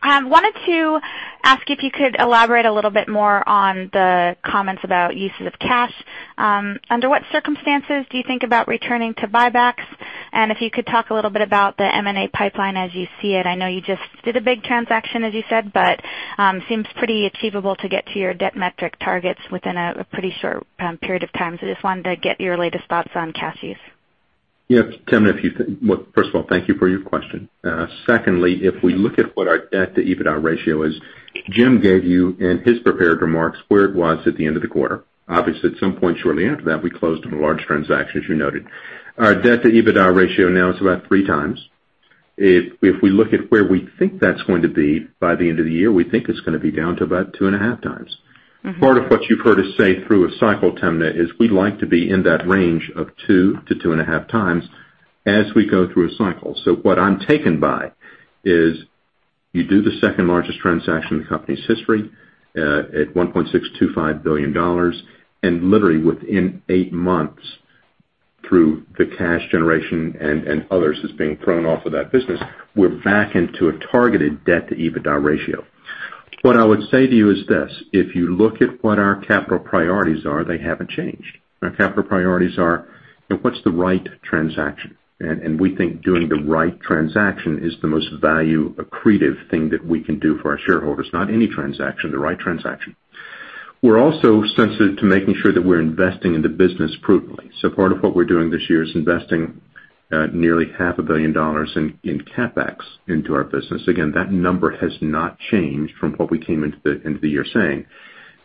I wanted to ask if you could elaborate a little bit more on the comments about uses of cash. Under what circumstances do you think about returning to buybacks? If you could talk a little bit about the M&A pipeline as you see it. I know you just did a big transaction, as you said, but seems pretty achievable to get to your debt metric targets within a pretty short period of time. I just wanted to get your latest thoughts on cash use. Yes, Timna. First of all, thank you for your question. Secondly, if we look at what our debt to EBITDA ratio is, Jim gave you in his prepared remarks where it was at the end of the quarter. Obviously, at some point shortly after that, we closed on a large transaction, as you noted. Our debt to EBITDA ratio now is about 3 times. If we look at where we think that's going to be by the end of the year, we think it's going to be down to about 2.5 times. Part of what you've heard us say through a cycle, Timna, is we'd like to be in that range of 2 to 2.5 times as we go through a cycle. What I'm taken by is you do the second-largest transaction in the company's history at $1.625 billion, and literally within 8 months, through the cash generation and others that's being thrown off of that business, we're back into a targeted debt-to-EBITDA ratio. What I would say to you is this: If you look at what our capital priorities are, they haven't changed. Our capital priorities are what's the right transaction? We think doing the right transaction is the most value-accretive thing that we can do for our shareholders. Not any transaction, the right transaction. We're also sensitive to making sure that we're investing in the business prudently. Part of what we're doing this year is investing nearly half a billion dollars in CapEx into our business. Again, that number has not changed from what we came into the year saying.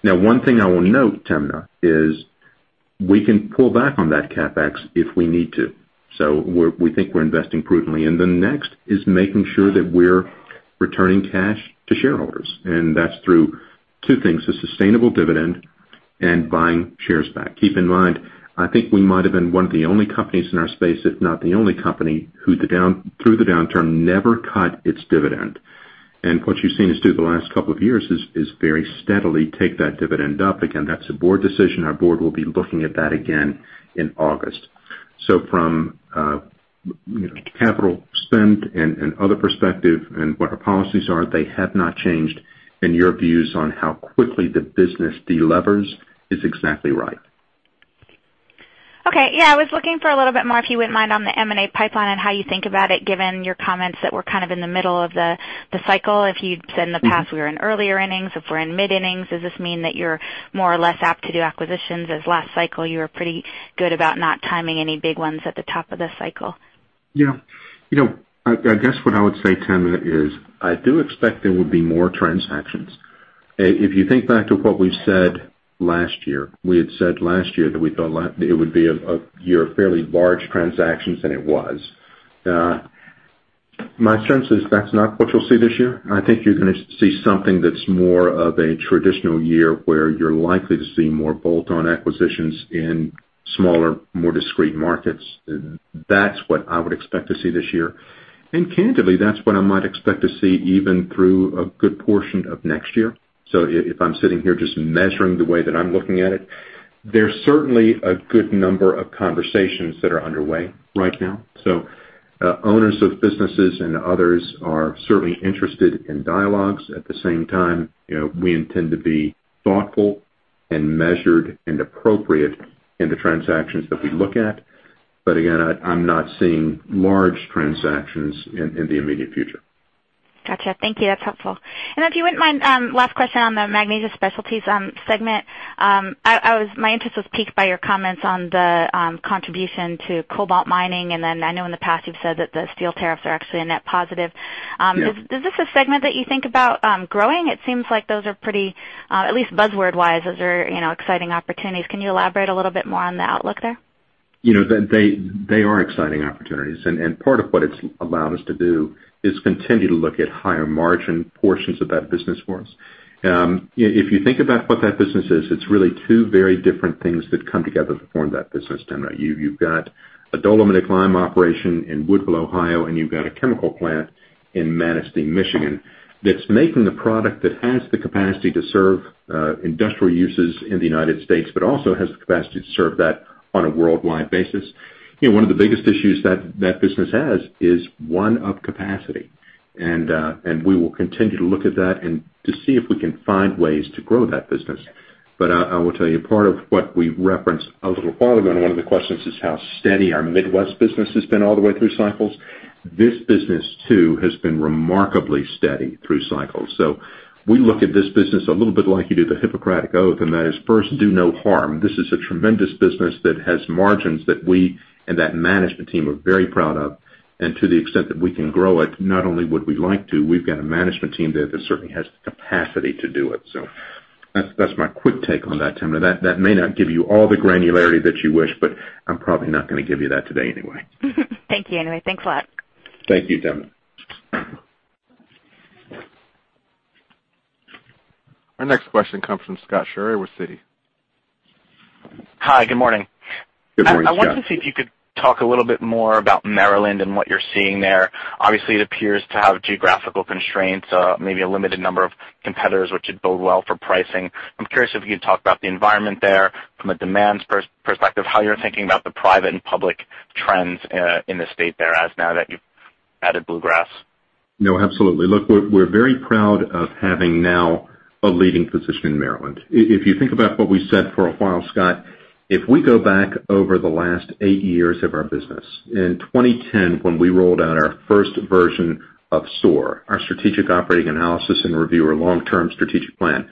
Now, one thing I will note, Timna, is we can pull back on that CapEx if we need to. We think we're investing prudently. The next is making sure that we're returning cash to shareholders, and that's through 2 things, a sustainable dividend and buying shares back. Keep in mind, I think we might've been one of the only companies in our space, if not the only company, who through the downturn never cut its dividend. What you've seen us do the last couple of years is very steadily take that dividend up again. That's a board decision. Our board will be looking at that again in August. From a capital spend and other perspective and what our policies are, they have not changed, and your views on how quickly the business de-levers is exactly right. Okay. Yeah, I was looking for a little bit more, if you wouldn't mind, on the M&A pipeline and how you think about it, given your comments that we're kind of in the middle of the cycle. If you'd said in the past we were in earlier innings, if we're in mid-innings, does this mean that you're more or less apt to do acquisitions, as last cycle you were pretty good about not timing any big ones at the top of the cycle? Yeah. I guess what I would say, Timna, is I do expect there will be more transactions. If you think back to what we said last year, we had said last year that we thought it would be a year of fairly large transactions, and it was. My sense is that's not what you'll see this year. I think you're going to see something that's more of a traditional year, where you're likely to see more bolt-on acquisitions in smaller, more discreet markets. That's what I would expect to see this year. Candidly, that's what I might expect to see even through a good portion of next year. If I'm sitting here just measuring the way that I'm looking at it, there's certainly a good number of conversations that are underway right now. Owners of businesses and others are certainly interested in dialogues. At the same time, we intend to be thoughtful and measured and appropriate in the transactions that we look at. Again, I'm not seeing large transactions in the immediate future. Got you. Thank you. That's helpful. If you wouldn't mind, last question on the Magnesia Specialties segment. My interest was piqued by your comments on the contribution to cobalt mining. I know in the past you've said that the steel tariffs are actually a net positive. Yeah. Is this a segment that you think about growing? It seems like those are pretty, at least buzzword-wise, those are exciting opportunities. Can you elaborate a little bit more on the outlook there? They are exciting opportunities, part of what it's allowed us to do is continue to look at higher margin portions of that business for us. If you think about what that business is, it's really two very different things that come together to form that business, Timma. You've got a dolomitic lime operation in Woodville, Ohio, you've got a chemical plant in Manistee, Michigan, that's making a product that has the capacity to serve industrial uses in the U.S., but also has the capacity to serve that on a worldwide basis. One of the biggest issues that business has is one of capacity. We will continue to look at that and to see if we can find ways to grow that business. I will tell you, part of what we referenced a little while ago in one of the questions is how steady our Midwest business has been all the way through cycles. This business, too, has been remarkably steady through cycles. We look at this business a little bit like you do the Hippocratic Oath, and that is first, do no harm. This is a tremendous business that has margins that we and that management team are very proud of. To the extent that we can grow it, not only would we like to, we've got a management team there that certainly has the capacity to do it. That's my quick take on that, Timma. That may not give you all the granularity that you wish, but I'm probably not going to give you that today anyway. Thank you anyway. Thanks a lot. Thank you, Timna. Our next question comes from Scott Schrier with Citi. Hi, good morning. Good morning, Scott. I wanted to see if you could talk a little bit more about Maryland and what you're seeing there. Obviously, it appears to have geographical constraints, maybe a limited number of competitors, which would bode well for pricing. I'm curious if you could talk about the environment there from a demands perspective, how you're thinking about the private and public trends in the state there as now that you've added Bluegrass. Absolutely. We're very proud of having now a leading position in Maryland. If you think about what we said for a while, Scott, if we go back over the last eight years of our business, in 2010, when we rolled out our first version of SOAR, our Strategic Operating Analysis and Review, our long-term strategic plan,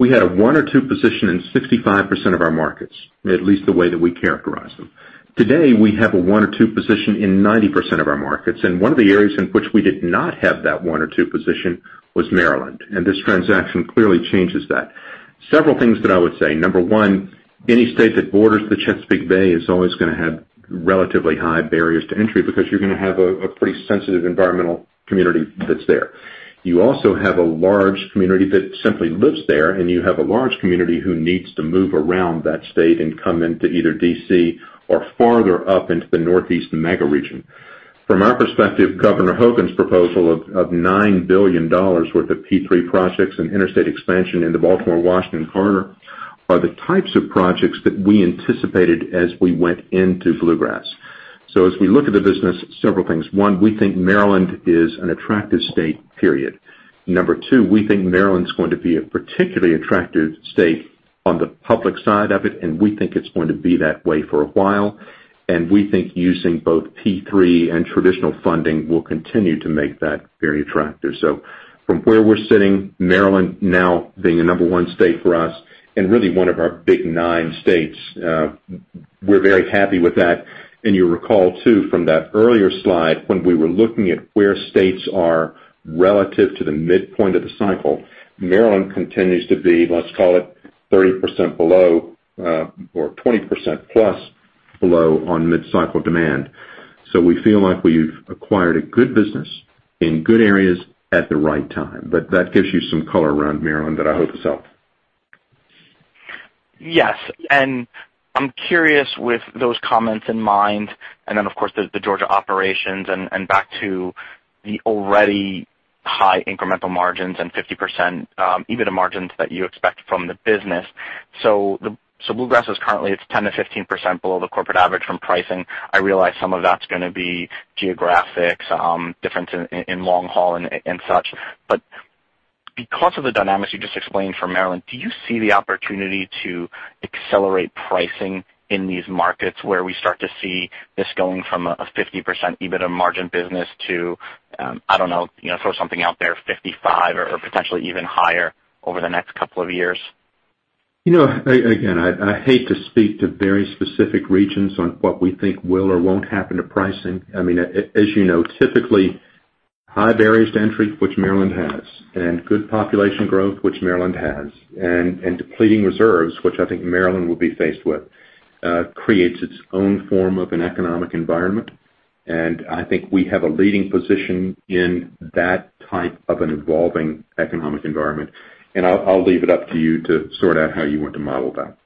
we had a one or two position in 65% of our markets, at least the way that we characterize them. Today, we have a one or two position in 90% of our markets, and one of the areas in which we did not have that one or two position was Maryland. This transaction clearly changes that. Several things that I would say. Number one, any state that borders the Chesapeake Bay is always going to have relatively high barriers to entry because you're going to have a pretty sensitive environmental community that's there. You also have a large community that simply lives there, and you have a large community who needs to move around that state and come into either D.C. or farther up into the northeast mega region. From our perspective, Larry Hogan's proposal of $9 billion worth of P3 projects and interstate expansion in the Baltimore-Washington corridor are the types of projects that we anticipated as we went into Bluegrass. As we look at the business, several things. We think Maryland is an attractive state, period. Number two, we think Maryland's going to be a particularly attractive state on the public side of it, and we think it's going to be that way for a while. We think using both P3 and traditional funding will continue to make that very attractive. From where we're sitting, Maryland now being a number one state for us and really one of our big nine states, we're very happy with that. You recall, too, from that earlier slide, when we were looking at where states are relative to the midpoint of the cycle, Maryland continues to be, let's call it 30% below or 20% plus below on mid-cycle demand. We feel like we've acquired a good business in good areas at the right time. That gives you some color around Maryland that I hope has helped. I'm curious with those comments in mind, of course, the Georgia operations and back to the already high incremental margins and 50% EBITDA margins that you expect from the business. Bluegrass is currently at 10%-15% below the corporate average from pricing. I realize some of that's going to be geographics, difference in long haul and such. Because of the dynamics you just explained for Maryland, do you see the opportunity to accelerate pricing in these markets where we start to see this going from a 50% EBITDA margin business to, I don't know, throw something out there, 55% or potentially even higher over the next couple of years? I hate to speak to very specific regions on what we think will or won't happen to pricing. As you know, typically, high barriers to entry, which Maryland has, and good population growth, which Maryland has, and depleting reserves, which I think Maryland will be faced with, creates its own form of an economic environment. I think we have a leading position in that type of an evolving economic environment. I'll leave it up to you to sort out how you want to model that.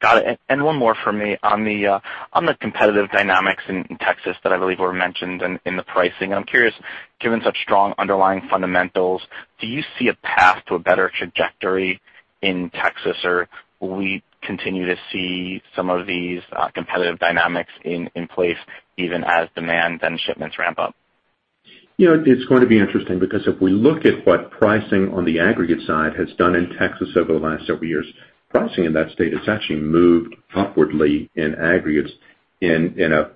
Got it. One more for me. On the competitive dynamics in Texas that I believe were mentioned in the pricing, I'm curious, given such strong underlying fundamentals, do you see a path to a better trajectory in Texas? Will we continue to see some of these competitive dynamics in place even as demand then shipments ramp up? It's going to be interesting because if we look at what pricing on the aggregates side has done in Texas over the last several years, pricing in that state has actually moved upwardly in aggregates in a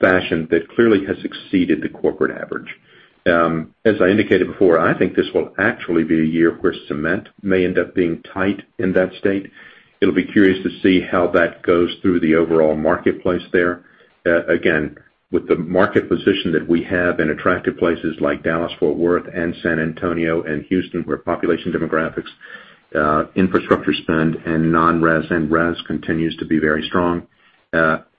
fashion that clearly has exceeded the corporate average. As I indicated before, I think this will actually be a year where cement may end up being tight in that state. It'll be curious to see how that goes through the overall marketplace there. With the market position that we have in attractive places like Dallas-Fort Worth and San Antonio and Houston, where population demographics, infrastructure spend, and non-res and res continues to be very strong,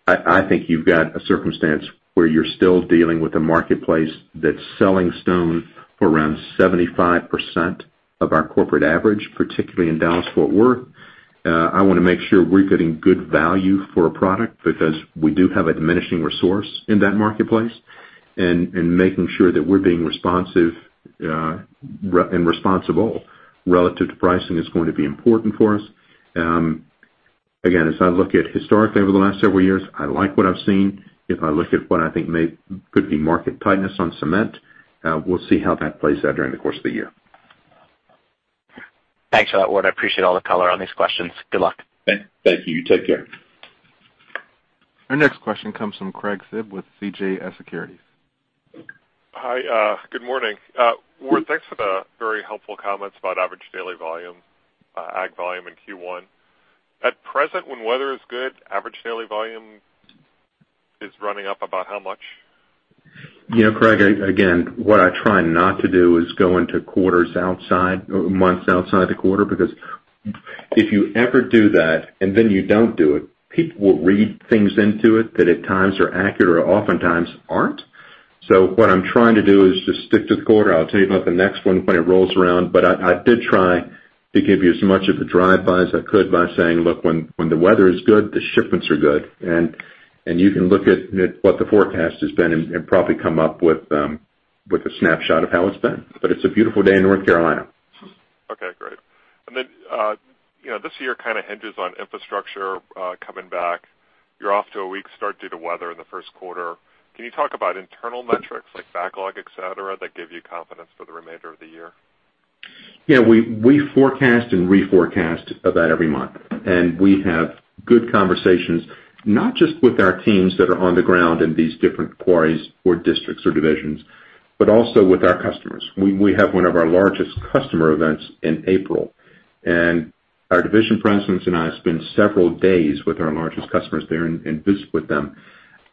I think you've got a circumstance where you're still dealing with a marketplace that's selling stone for around 75% of our corporate average, particularly in Dallas-Fort Worth. I want to make sure we're getting good value for a product because we do have a diminishing resource in that marketplace. Making sure that we're being responsive and responsible relative to pricing is going to be important for us. Again, as I look at historically over the last several years, I like what I've seen. If I look at what I think could be market tightness on cement, we'll see how that plays out during the course of the year. Thanks for that, Ward. I appreciate all the color on these questions. Good luck. Thank you. Take care. Our next question comes from Craig Bibb with CJS Securities. Hi, good morning. Ward, thanks for the very helpful comments about average daily volume, ag volume in Q1. At present, when weather is good, average daily volume is running up about how much? Yeah, Craig, again, what I try not to do is go into months outside the quarter, because if you ever do that and then you don't do it, people will read things into it that at times are accurate or oftentimes aren't. What I'm trying to do is just stick to the quarter. I'll tell you about the next one when it rolls around. I did try to give you as much of a drive-by as I could by saying, look, when the weather is good, the shipments are good. You can look at what the forecast has been and probably come up with a snapshot of how it's been. It's a beautiful day in North Carolina. Okay, great. This year kind of hinges on infrastructure coming back. You're off to a weak start due to weather in the first quarter. Can you talk about internal metrics like backlog, et cetera, that give you confidence for the remainder of the year? We forecast and reforecast about every month. We have good conversations, not just with our teams that are on the ground in these different quarries or districts or divisions, but also with our customers. We have one of our largest customer events in April. Our division presidents and I spend several days with our largest customers there and visit with them.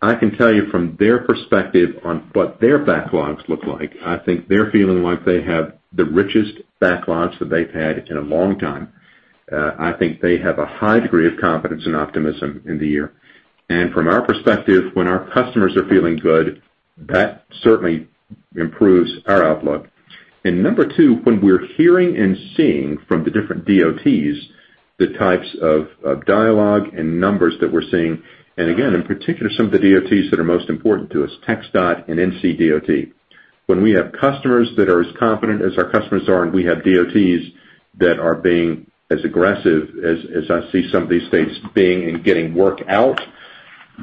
I can tell you from their perspective on what their backlogs look like, I think they're feeling like they have the richest backlogs that they've had in a long time. I think they have a high degree of confidence and optimism in the year. From our perspective, when our customers are feeling good, that certainly improves our outlook. Number 2, when we're hearing and seeing from the different DOTs the types of dialogue and numbers that we're seeing, again, in particular, some of the DOTs that are most important to us, TXDOT and NCDOT. When we have customers that are as confident as our customers are, and we have DOTs that are being as aggressive as I see some of these states being in getting work out,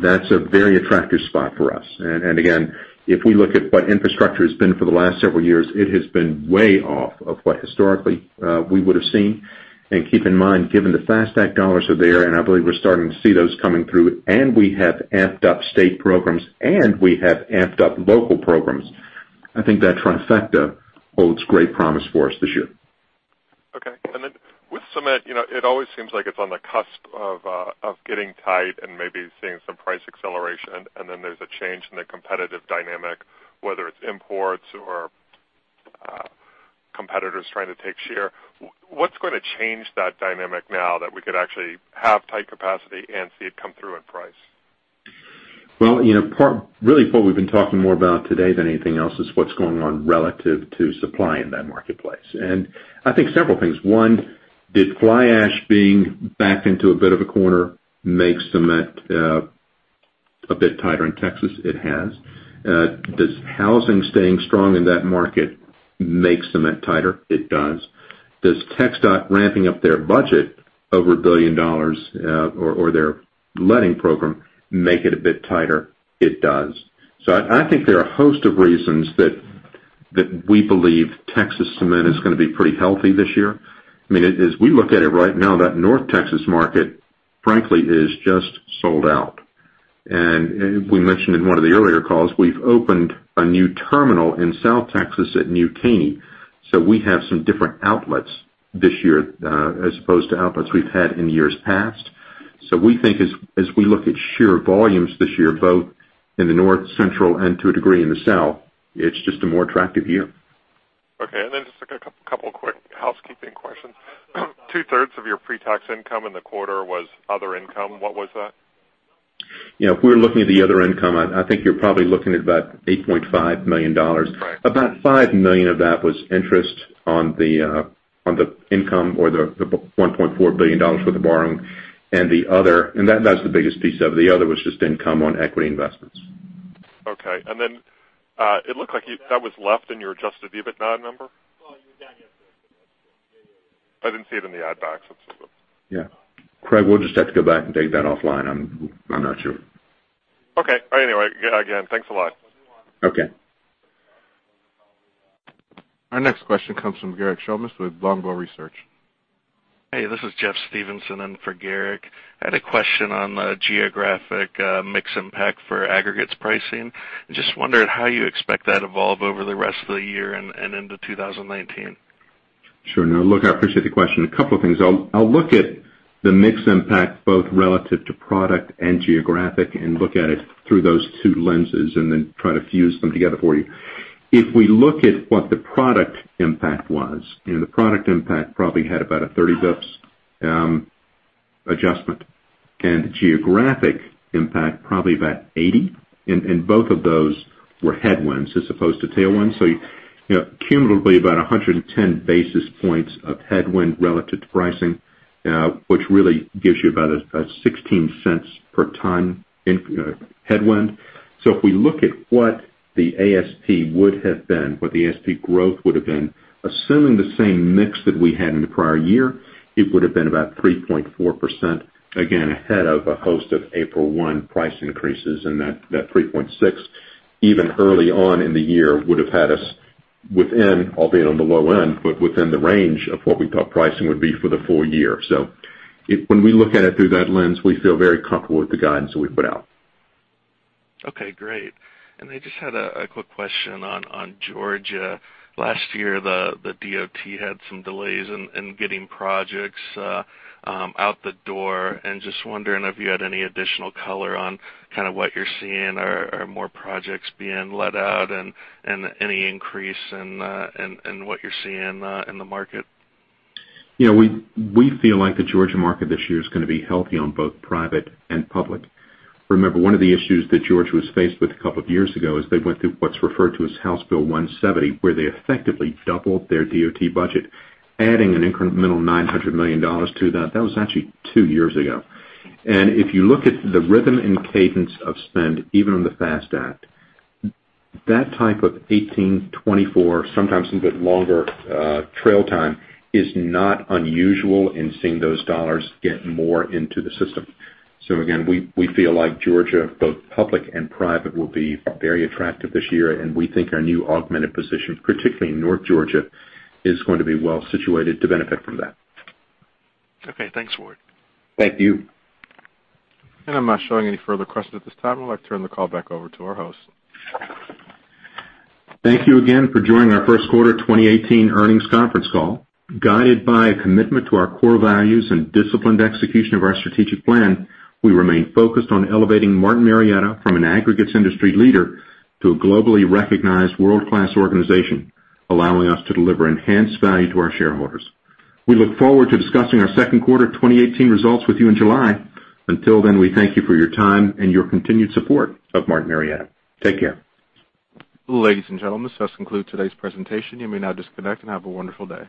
that's a very attractive spot for us. Again, if we look at what infrastructure has been for the last several years, it has been way off of what historically we would have seen. Keep in mind, given the FAST Act dollars are there, I believe we're starting to see those coming through, we have amped up state programs, and we have amped up local programs. I think that trifecta holds great promise for us this year. Okay. Then with cement, it always seems like it's on the cusp of getting tight and maybe seeing some price acceleration, then there's a change in the competitive dynamic, whether it's imports or competitors trying to take share. What's going to change that dynamic now that we could actually have tight capacity and see it come through in price? Well, really what we've been talking more about today than anything else is what's going on relative to supply in that marketplace. I think several things. 1, did fly ash being backed into a bit of a corner make cement a bit tighter in Texas? It has. Does housing staying strong in that market make cement tighter? It does. Does TXDOT ramping up their budget over $1 billion or their lending program make it a bit tighter? It does. I think there are a host of reasons that we believe Texas cement is going to be pretty healthy this year. As we look at it right now, that North Texas market, frankly, is just sold out. We mentioned in 1 of the earlier calls, we've opened a new terminal in South Texas at New Caney. We have some different outlets this year as opposed to outlets we've had in years past. We think as we look at sheer volumes this year, both in the North Central and to a degree in the South, it's just a more attractive year. Okay. Just a couple quick housekeeping questions. Two-thirds of your pre-tax income in the quarter was other income. What was that? If we're looking at the other income, I think you're probably looking at about $8.5 million. Right. About $5 million of that was interest on the income or the $1.4 billion worth of borrowing. That's the biggest piece of it. The other was just income on equity investments. Okay. Then it looked like that was left in your adjusted EBITDA number? Well, you were down yesterday. I didn't see it in the add backs. Yeah. Craig, we'll just have to go back and take that offline. I'm not sure. Okay. Anyway, again, thanks a lot. Okay. Our next question comes from Garrik Shmois with Longbow Research. Hey, this is Jeffrey Stevenson in for Garrick. I had a question on the geographic mix impact for aggregates pricing. I just wondered how you expect that to evolve over the rest of the year and into 2019. Sure. Look, I appreciate the question. A couple of things. I'll look at the mix impact both relative to product and geographic and look at it through those two lenses and then try to fuse them together for you. If we look at what the product impact was, the product impact probably had about a 30 basis points adjustment, the geographic impact probably about 80 basis points. Both of those were headwinds as opposed to tailwinds. Cumulatively, about 110 basis points of headwind relative to pricing, which really gives you about a $0.16 per ton headwind. If we look at what the ASP would have been, what the ASP growth would've been, assuming the same mix that we had in the prior year, it would've been about 3.4%, again, ahead of a host of April 1 price increases, and that 3.6%, even early on in the year, would've had us within, albeit on the low end, but within the range of what we thought pricing would be for the full year. When we look at it through that lens, we feel very comfortable with the guidance that we've put out. Okay, great. I just had a quick question on Georgia. Last year, the DOT had some delays in getting projects out the door, and just wondering if you had any additional color on what you're seeing. Are more projects being let out, and any increase in what you're seeing in the market? We feel like the Georgia market this year is going to be healthy on both private and public. Remember, one of the issues that Georgia was faced with a couple of years ago is they went through what's referred to as House Bill 170, where they effectively doubled their DOT budget, adding an incremental $900 million to that. That was actually two years ago. If you look at the rhythm and cadence of spend, even on the FAST Act, that type of 18, 24, sometimes even longer trail time is not unusual in seeing those dollars get more into the system. Again, we feel like Georgia, both public and private, will be very attractive this year, and we think our new augmented position, particularly in North Georgia, is going to be well situated to benefit from that. Okay, thanks, Ward. Thank you. I'm not showing any further questions at this time. I'd like to turn the call back over to our host. Thank you again for joining our first quarter 2018 earnings conference call. Guided by a commitment to our core values and disciplined execution of our strategic plan, we remain focused on elevating Martin Marietta from an aggregates industry leader to a globally recognized world-class organization, allowing us to deliver enhanced value to our shareholders. We look forward to discussing our second quarter 2018 results with you in July. Until then, we thank you for your time and your continued support of Martin Marietta. Take care. Ladies and gentlemen, this does conclude today's presentation. You may now disconnect, and have a wonderful day